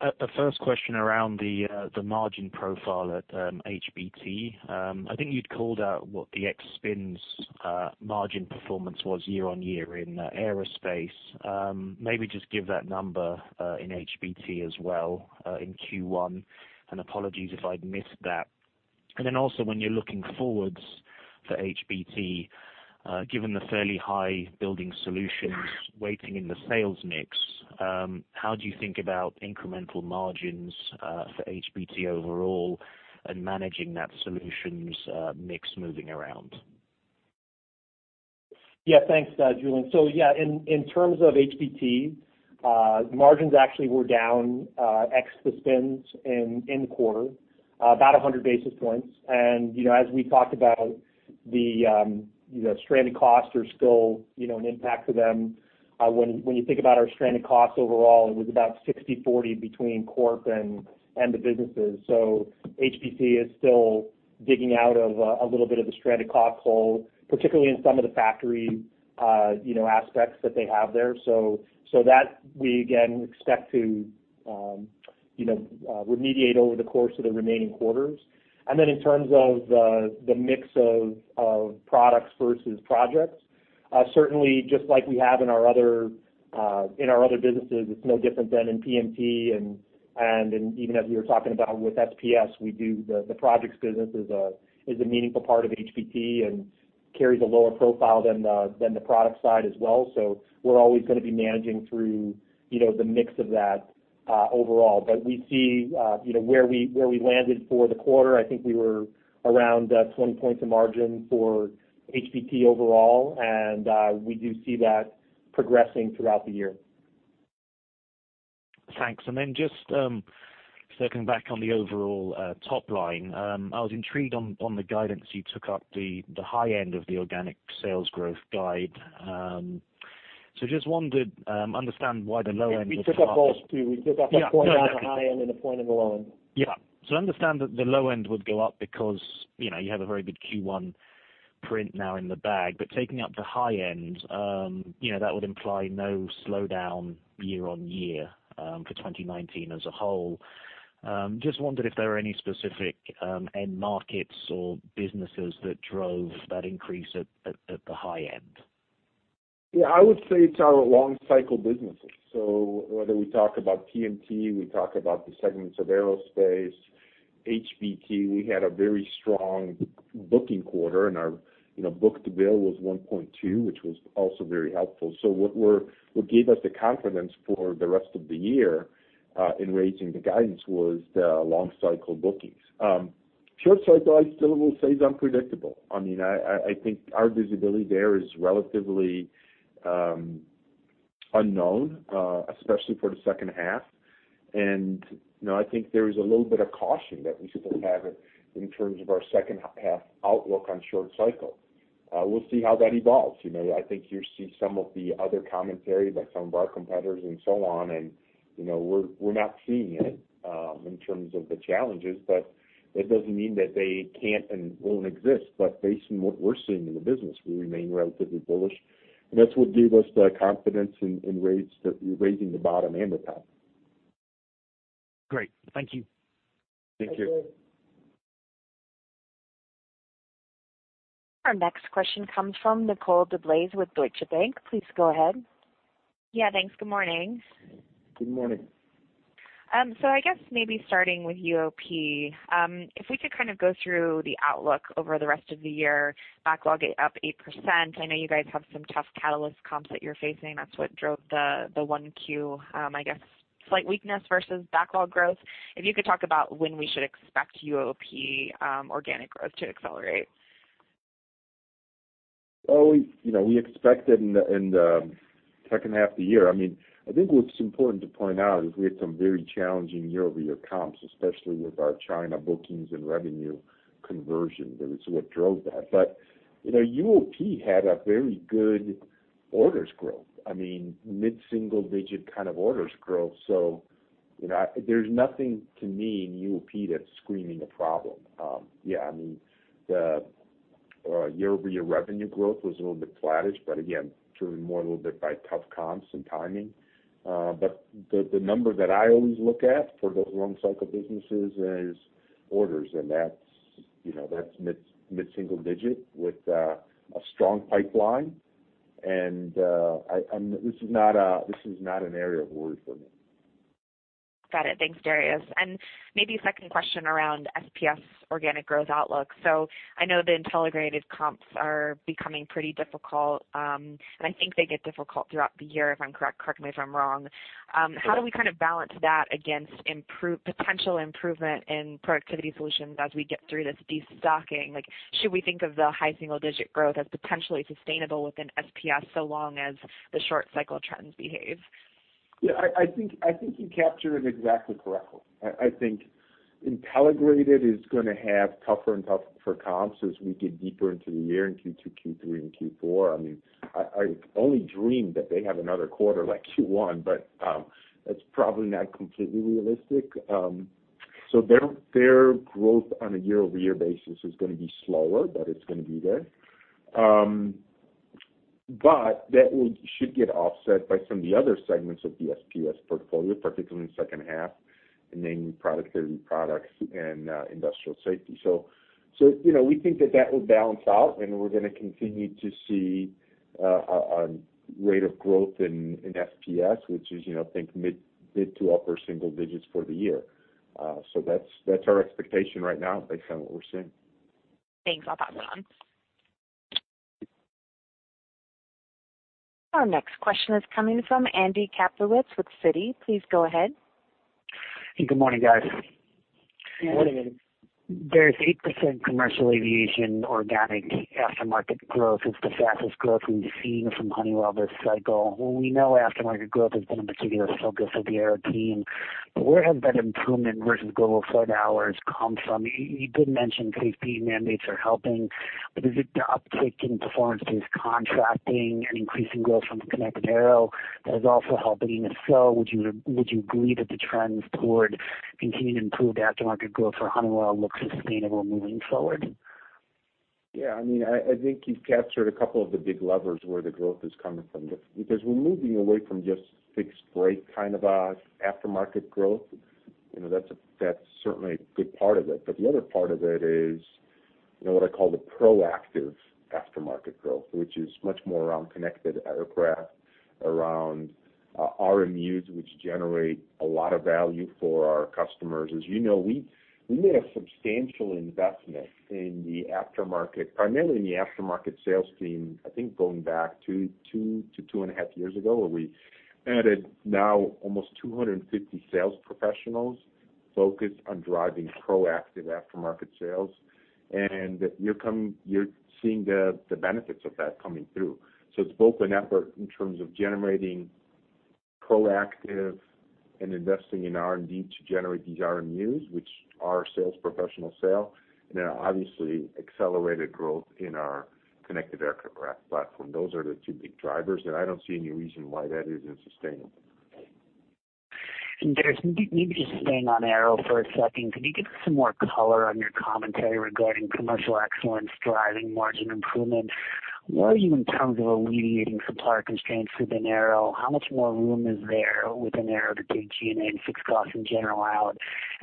Good morning. Maybe a first question around the margin profile at HBT. I think you'd called out what the ex spins margin performance was year-over-year in Aerospace. Maybe just give that number in HBT as well in Q1, and apologies if I'd missed that. When you're looking forwards for HBT, given the fairly high building solutions weighting in the sales mix, how do you think about incremental margins for HBT overall and managing that solutions mix moving around? Yeah. Thanks, Julian. In terms of HBT, margins actually were down ex the spins in the quarter about 100 basis points. As we talked about the stranded costs are still an impact to them. When you think about our stranded costs overall, it was about 60/40 between corp and the businesses. HBT is still digging out of a little bit of a stranded cost hole, particularly in some of the factory aspects that they have there. That we, again, expect to remediate over the course of the remaining quarters. In terms of the mix of products versus projects, certainly just like we have in our other businesses, it's no different than in PMT. Even as we were talking about with SPS, we do the projects business is a meaningful part of HBT and carries a lower profile than the product side as well. We're always going to be managing through the mix of that overall. We see where we landed for the quarter. I think we were around 20 points of margin for HBT overall, and we do see that progressing throughout the year. Thanks. Just circling back on the overall top line. I was intrigued on the guidance you took up the high end of the organic sales growth guide. Just wanted to understand why the low end- We took up both too. We took up a point at the high end and a point at the low end. I understand that the low end would go up because you have a very good Q1 print now in the bag, taking up the high end that would imply no slowdown year-on-year for 2019 as a whole. I just wondered if there are any specific end markets or businesses that drove that increase at the high end. I would say it's our long cycle businesses. Whether we talk about PMT, we talk about the segments of aerospace, HBT, we had a very strong booking quarter and our book-to-bill was 1.2, which was also very helpful. What gave us the confidence for the rest of the year in raising the guidance was the long cycle bookings. Short cycle, I still will say, is unpredictable. I think our visibility there is relatively unknown, especially for the second half. I think there is a little bit of caution that we still have in terms of our second half outlook on short cycle. We'll see how that evolves. I think you see some of the other commentary by some of our competitors and so on, and we're not seeing it in terms of the challenges, but that doesn't mean that they can't and won't exist. Based on what we're seeing in the business, we remain relatively bullish, and that's what gave us the confidence in raising the bottom and the top. Great. Thank you. Thank you. Thank you. Our next question comes from Nicole DeBlase with Deutsche Bank. Please go ahead. Yeah, thanks. Good morning. Good morning. I guess maybe starting with UOP, if we could kind of go through the outlook over the rest of the year. Backlog up 8%. I know you guys have some tough catalyst comps that you're facing. That's what drove the 1Q, I guess slight weakness versus backlog growth. If you could talk about when we should expect UOP organic growth to accelerate. Well, we expect it in the second half of the year. I think what's important to point out is we have some very challenging year-over-year comps, especially with our China bookings and revenue conversion. That is what drove that. UOP had a very good orders growth, mid-single digit kind of orders growth. There's nothing to me in UOP that's screaming a problem. Yeah, the year-over-year revenue growth was a little bit flattish, but again, driven more a little bit by tough comps and timing. The number that I always look at for those long cycle businesses is orders, and that's mid-single digit with a strong pipeline. This is not an area of worry for me. Got it. Thanks, Darius. Maybe a second question around SPS organic growth outlook. I know the Intelligrated comps are becoming pretty difficult, and I think they get difficult throughout the year, if I'm correct. Correct me if I'm wrong. How do we kind of balance that against potential improvement in productivity solutions as we get through this de-stocking? Should we think of the high single-digit growth as potentially sustainable within SPS so long as the short cycle trends behave? I think you captured it exactly correctly. I think Intelligrated is going to have tougher and tougher comps as we get deeper into the year in Q2, Q3, and Q4. I only dream that they have another quarter like Q1, but that's probably not completely realistic. Their growth on a year-over-year basis is going to be slower, but it's going to be there. That should get offset by some of the other segments of the SPS portfolio, particularly in the second half, namely productivity products and industrial safety. We think that that will balance out, and we're going to continue to see a rate of growth in SPS, which is think mid-to-upper single digits for the year. That's our expectation right now based on what we're seeing. Thanks. I'll pass it on. Our next question is coming from Andrew Kaplowitz with Citi. Please go ahead. Good morning, guys. Good morning. There's 8% commercial aviation organic aftermarket growth. It's the fastest growth we've seen from Honeywell this cycle. We know aftermarket growth has been a particular focus of the Aero team, where has that improvement versus global flight hours come from? You did mention safety mandates are helping, is it the uptick in performance case contracting and increasing growth from connected Aero that is also helping? If so, would you agree that the trends toward continued improved aftermarket growth for Honeywell look sustainable moving forward? Yeah, I think you've captured a couple of the big levers where the growth is coming from, because we're moving away from just fixed brake kind of aftermarket growth. That's certainly a good part of it. The other part of it is what I call the proactive aftermarket growth, which is much more around connected aircraft, around RMUs, which generate a lot of value for our customers. As you know, we made a substantial investment in the aftermarket, primarily in the aftermarket sales team, I think going back two to two and a half years ago, where we added now almost 250 sales professionals focused on driving proactive aftermarket sales. You're seeing the benefits of that coming through. It's both an effort in terms of generating proactive and investing in R&D to generate these RMUs, which our sales professionals sell, and then obviously accelerated growth in our connected aircraft platform. Those are the two big drivers, and I don't see any reason why that isn't sustainable. Darius, maybe just staying on Aero for a second, can you give us some more color on your commentary regarding commercial excellence driving margin improvement? Where are you in terms of alleviating supplier constraints within Aero? How much more room is there within Aero to take G&A and fixed costs in general out?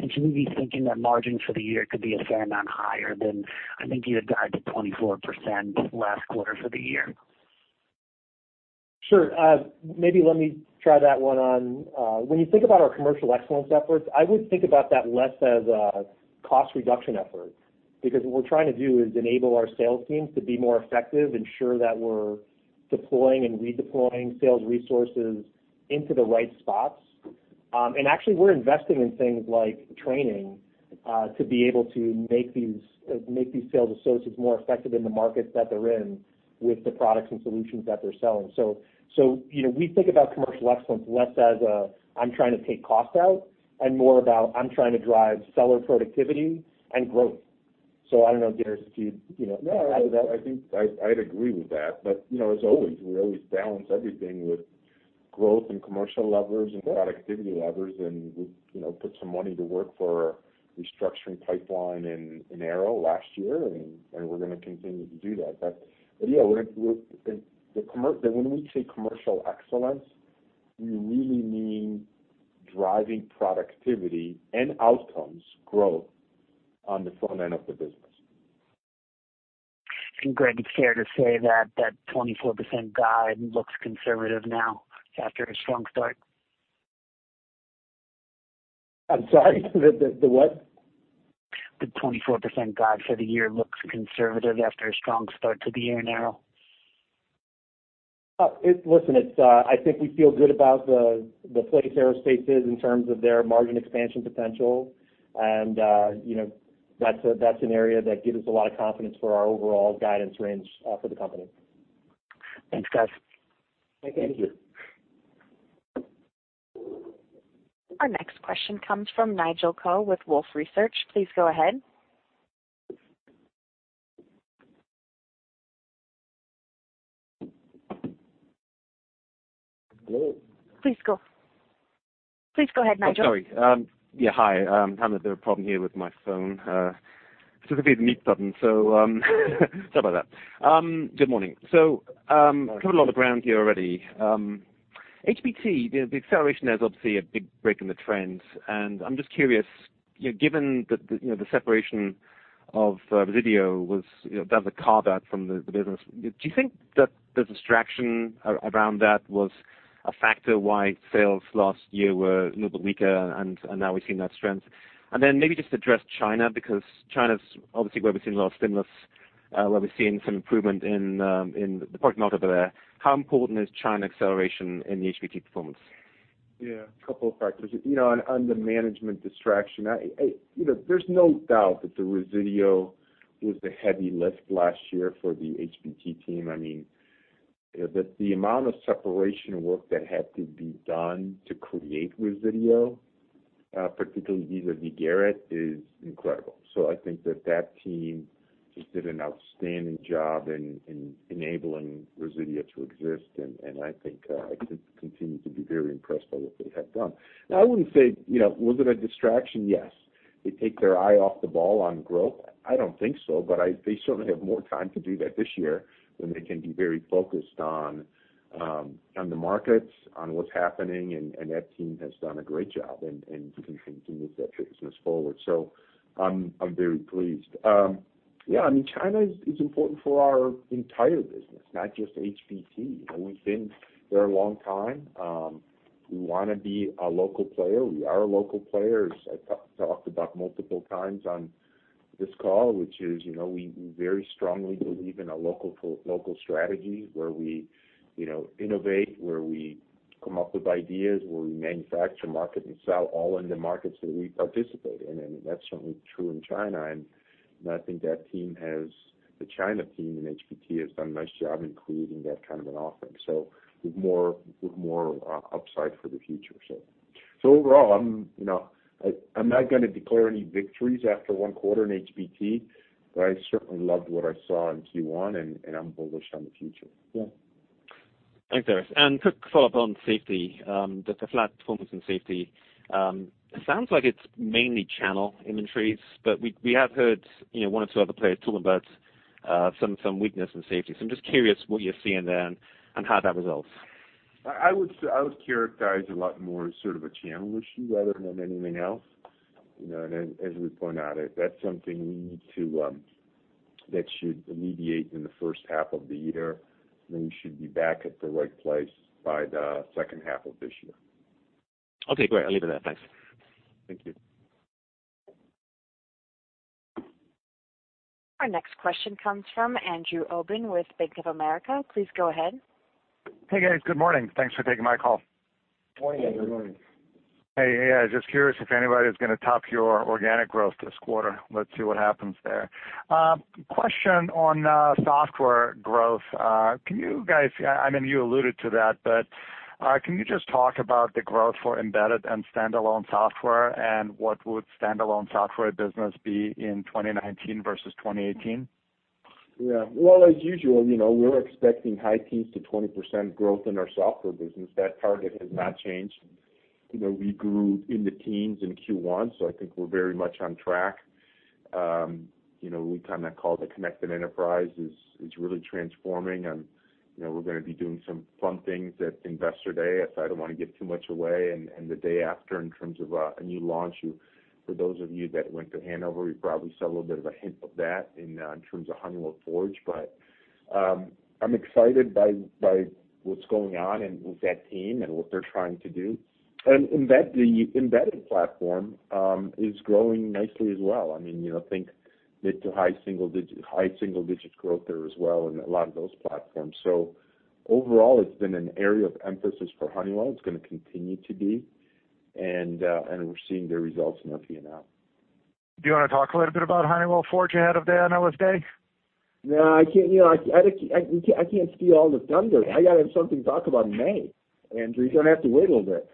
Should we be thinking that margins for the year could be a fair amount higher than, I think you had guided 24% last quarter for the year? Sure. Maybe let me try that one on. When you think about our commercial excellence efforts, I would think about that less as a cost reduction effort, because what we're trying to do is enable our sales teams to be more effective, ensure that we're deploying and redeploying sales resources into the right spots. Actually, we're investing in things like training to be able to make these sales associates more effective in the markets that they're in with the products and solutions that they're selling. We think about commercial excellence less as a I'm trying to take costs out and more about I'm trying to drive seller productivity and growth. I don't know, Darius, if you'd add to that. No, I think I'd agree with that. As always, we always balance everything with growth and commercial levers and productivity levers, we put some money to work for our restructuring pipeline in Aero last year, we're going to continue to do that. Yeah, when we say commercial excellence, we really mean driving productivity and outcomes growth on the front end of the business. Greg, it's fair to say that that 24% guide looks conservative now after a strong start. I'm sorry, the what? The 24% guide for the year looks conservative after a strong start to the year in Aero. Listen, I think we feel good about the place Aerospace is in terms of their margin expansion potential, and that's an area that gives us a lot of confidence for our overall guidance range for the company. Thanks, guys. Thank you. Our next question comes from Nigel Coe with Wolfe Research. Please go ahead. Hello? Please go ahead, Nigel. Sorry. Hi. I'm having a bit of a problem here with my phone, specifically the mute button, so sorry about that. Good morning. Covered a lot of ground here already. HBT, the acceleration there is obviously a big break in the trend. I'm just curious, given that the separation of Resideo was done as a carve-out from the business, do you think that the distraction around that was a factor why sales last year were a little bit weaker and now we're seeing that strength? Then maybe just address China, because China's obviously where we're seeing a lot of stimulus, where we're seeing some improvement in the product out of there. How important is China acceleration in the HBT performance? A couple of factors. On the management distraction, there's no doubt that Resideo was the heavy lift last year for the HBT team. The amount of separation work that had to be done to create Resideo, particularly vis-à-vis Garrett, is incredible. I think that team just did an outstanding job in enabling Resideo to exist, and I think I just continue to be very impressed by what they have done. Now, I wouldn't say, was it a distraction? Yes. Did it take their eye off the ball on growth? I don't think so, but they certainly have more time to do that this year when they can be very focused on the markets, on what's happening, and that team has done a great job in continuing to move that business forward. I'm very pleased. China is important for our entire business, not just HBT. We've been there a long time. We want to be a local player. We are a local player, as I talked about multiple times on this call, which is we very strongly believe in a local strategy where we innovate, where we come up with ideas, where we manufacture, market, and sell all in the markets that we participate in. That's certainly true in China, and I think the China team in HBT has done a nice job in creating that kind of an offering. There's more upside for the future. Overall, I'm not going to declare any victories after one quarter in HBT, but I certainly loved what I saw in Q1, and I'm bullish on the future. Yeah. Thanks, Darius. Quick follow-up on safety, the flat performance in safety. It sounds like it's mainly channel inventories, but we have heard one or two other players talk about some weakness in safety. I'm just curious what you're seeing there and how that resolves. I would characterize a lot more as sort of a channel issue rather than anything else. As we point out, that's something that should alleviate in the first half of the year, and we should be back at the right place by the second half of this year. Okay, great. I'll leave it there. Thanks. Thank you. Our next question comes from Andrew Obin with Bank of America. Please go ahead. Hey, guys. Good morning. Thanks for taking my call. Morning, Andrew. Hey. Yeah, just curious if anybody's going to top your organic growth this quarter. Let's see what happens there. Question on software growth. You alluded to that, but can you just talk about the growth for embedded and standalone software, and what would standalone software business be in 2019 versus 2018? Yeah. Well, as usual, we're expecting high teens to 20% growth in our software business. That target has not changed. We grew in the teens in Q1, so I think we're very much on track. We call it the Connected Enterprise is really transforming, and we're going to be doing some fun things at Investor Day, I don't want to give too much away, and the day after in terms of a new launch. For those of you that went to Hanover, you probably saw a little bit of a hint of that in terms of Honeywell Forge. I'm excited by what's going on with that team and what they're trying to do. The embedded platform is growing nicely as well. Think mid to high single digit growth there as well in a lot of those platforms. Overall, it's been an area of emphasis for Honeywell. It's going to continue to be, and we're seeing the results in our P&L. Do you want to talk a little bit about Honeywell Forge ahead of the Analyst Day? I can't steal all the thunder. I got to have something to talk about in May, Andrew. You're going to have to wait a little bit.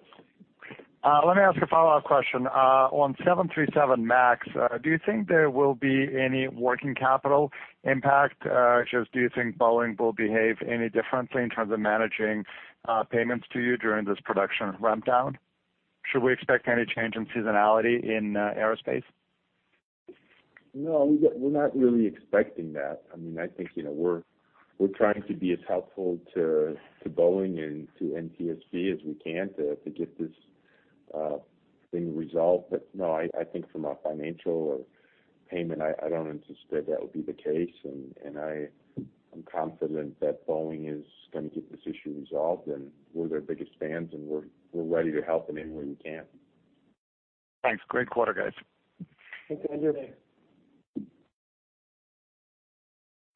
Let me ask a follow-up question. On 737 MAX, do you think there will be any working capital impact? Just do you think Boeing will behave any differently in terms of managing payments to you during this production ramp down? Should we expect any change in seasonality in aerospace? We're not really expecting that. I think we're trying to be as helpful to Boeing and to NTSB as we can to get this thing resolved. No, I think from a financial or payment, I don't anticipate that would be the case. I am confident that Boeing is going to get this issue resolved. We're their biggest fans, and we're ready to help them any way we can. Thanks. Great quarter, guys. Thanks, Andrew.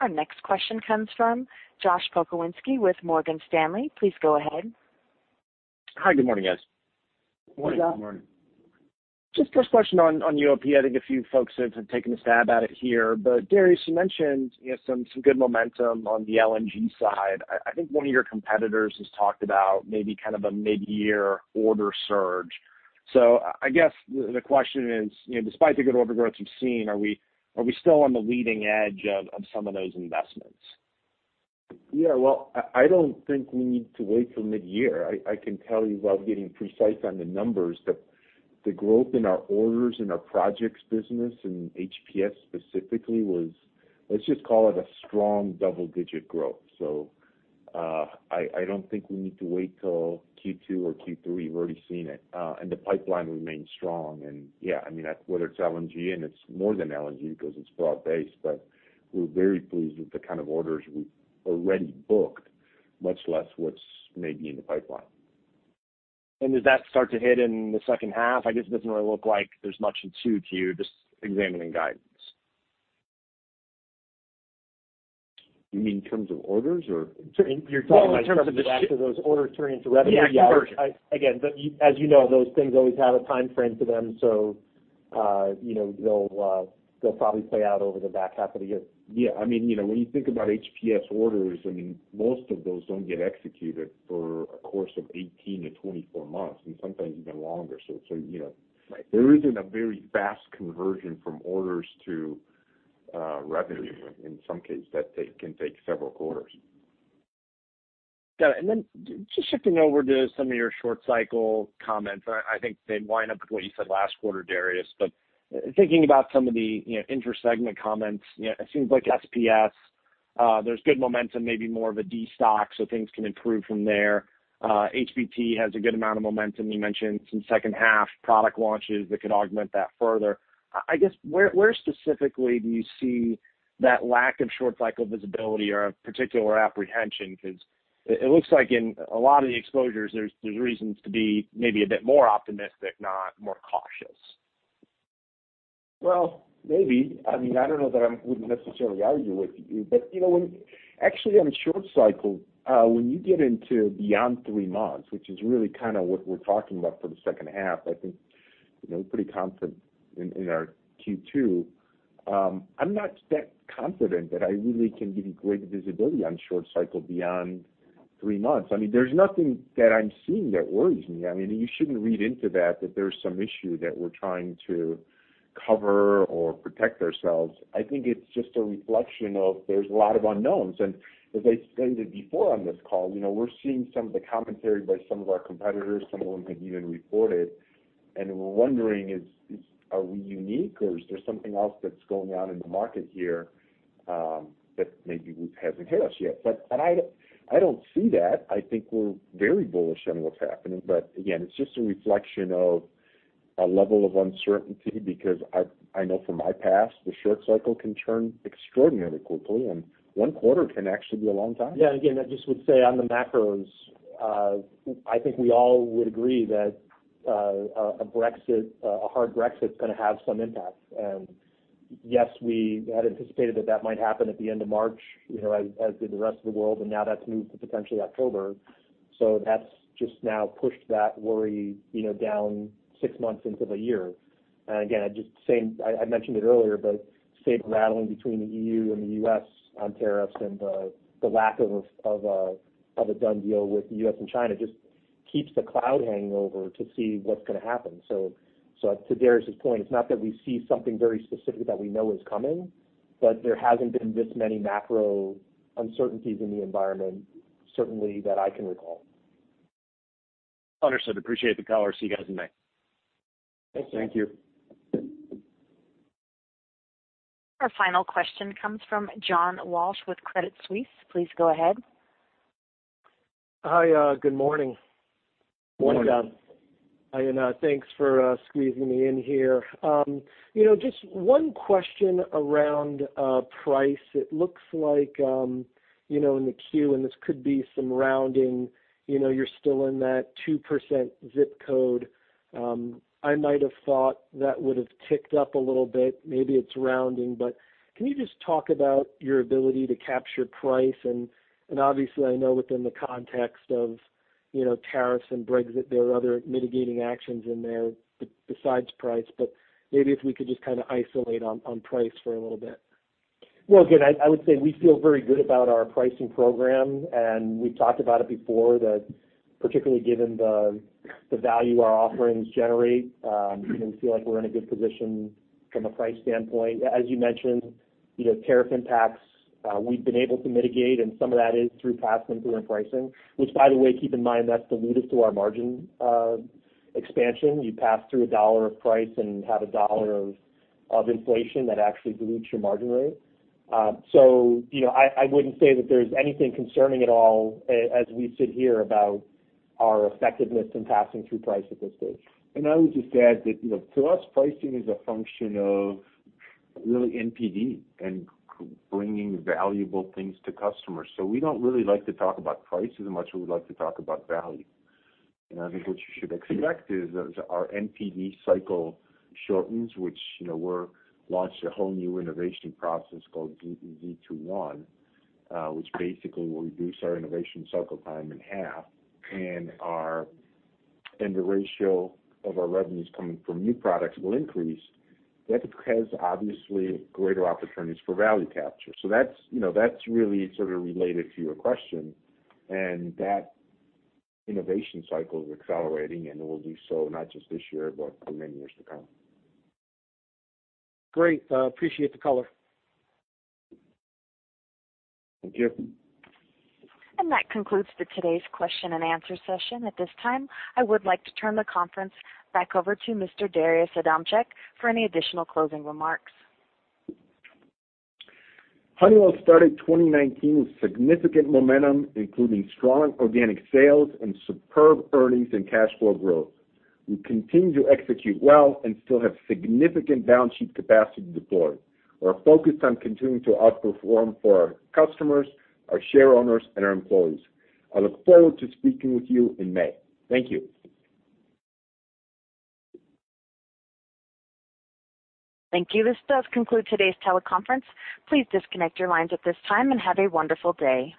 Our next question comes from Josh Pokrzywinski with Morgan Stanley. Please go ahead. Hi. Good morning, guys. Morning. Good morning. First question on UOP. I think a few folks have taken a stab at it here. Darius, you mentioned some good momentum on the LNG side. I think one of your competitors has talked about maybe kind of a mid-year order surge. I guess the question is, despite the good order growth you've seen, are we still on the leading edge of some of those investments? Yeah. Well, I don't think we need to wait till mid-year. I can tell you without getting precise on the numbers that the growth in our orders and our projects business in HPS specifically was, let's just call it a strong double-digit growth. I don't think we need to wait till Q2 or Q3. We've already seen it. The pipeline remains strong. And yeah, whether it's LNG, and it's more than LNG because it's broad-based, but we're very pleased with the kind of orders we've already booked, much less what's maybe in the pipeline. Does that start to hit in the second half? I guess it doesn't really look like there's much [ensued to you], just examining guidance. You mean in terms of orders, or? You're talking in terms of those orders turning into revenue. Yeah. As you know, those things always have a time frame to them, so they'll probably play out over the back half of the year. Yeah. When you think about HPS orders, most of those don't get executed for a course of 18 to 24 months, and sometimes even longer. Right there isn't a very fast conversion from orders to revenue. In some cases, that can take several quarters. Got it. Just shifting over to some of your short cycle comments. I think they line up with what you said last quarter, Darius, thinking about some of the inter-segment comments, it seems like SPS, there's good momentum, maybe more of a destock so things can improve from there. HBT has a good amount of momentum. You mentioned some second half product launches that could augment that further. I guess where specifically do you see that lack of short cycle visibility or a particular apprehension? It looks like in a lot of the exposures, there's reasons to be maybe a bit more optimistic, not more cautious. Well, maybe. I don't know that I would necessarily argue with you. Actually, on short cycle, when you get into beyond three months, which is really kind of what we're talking about for the second half, I think we're pretty confident in our Q2. I'm not that confident that I really can give you great visibility on short cycle beyond three months. There's nothing that I'm seeing that worries me. You shouldn't read into that there's some issue that we're trying to cover or protect ourselves. I think it's just a reflection of there's a lot of unknowns. As I stated before on this call, we're seeing some of the commentary by some of our competitors, some of whom have even reported, we're wondering, are we unique or is there something else that's going on in the market here that maybe hasn't hit us yet? I don't see that. I think we're very bullish on what's happening. Again, it's just a reflection of a level of uncertainty because I know from my past, the short cycle can turn extraordinarily quickly and one quarter can actually be a long time. Yeah. Again, I just would say on the macros, I think we all would agree that a hard Brexit is going to have some impact. Yes, we had anticipated that that might happen at the end of March, as did the rest of the world, and now that's moved to potentially October. That's just now pushed that worry down six months into the year. Again, I mentioned it earlier, but saber-rattling between the EU and the U.S. on tariffs and the lack of a done deal with the U.S. and China just keeps the cloud hanging over to see what's going to happen. To Darius's point, it's not that we see something very specific that we know is coming, but there hasn't been this many macro uncertainties in the environment, certainly that I can recall. Understood. Appreciate the color. See you guys in May. Thank you. Thank you. Our final question comes from John Walsh with Credit Suisse. Please go ahead. Hi, good morning. Morning. Morning. Thanks for squeezing me in here. Just one question around price. It looks like in the queue, and this could be some rounding, you're still in that 2% zip code. I might have thought that would have ticked up a little bit. Maybe it's rounding, but can you just talk about your ability to capture price? Obviously, I know within the context of tariffs and Brexit, there are other mitigating actions in there besides price, but maybe if we could just kind of isolate on price for a little bit. Well, again, I would say we feel very good about our pricing program, and we've talked about it before, that particularly given the value our offerings generate, we feel like we're in a good position from a price standpoint. As you mentioned, tariff impacts, we've been able to mitigate, and some of that is through passing through in pricing, which by the way, keep in mind, that's dilutive to our margin expansion. You pass through a dollar of price and have a dollar of inflation that actually dilutes your margin rate. I wouldn't say that there's anything concerning at all as we sit here about our effectiveness in passing through price at this stage. I would just add that to us, pricing is a function of really NPD and bringing valuable things to customers. We don't really like to talk about price as much as we like to talk about value. I think what you should expect is as our NPD cycle shortens, which we're launched a whole new innovation process called GEZ21, which basically will reduce our innovation cycle time in half, and the ratio of our revenues coming from new products will increase. That has obviously greater opportunities for value capture. That's really sort of related to your question, and that innovation cycle is accelerating, and it will do so not just this year, but for many years to come. Great. Appreciate the color. Thank you. That concludes for today's question and answer session. At this time, I would like to turn the conference back over to Mr. Darius Adamczyk for any additional closing remarks. Honeywell started 2019 with significant momentum, including strong organic sales and superb earnings and cash flow growth. We continue to execute well and still have significant balance sheet capacity to deploy. We are focused on continuing to outperform for our customers, our shareowners, and our employees. I look forward to speaking with you in May. Thank you. Thank you. This does conclude today's teleconference. Please disconnect your lines at this time and have a wonderful day.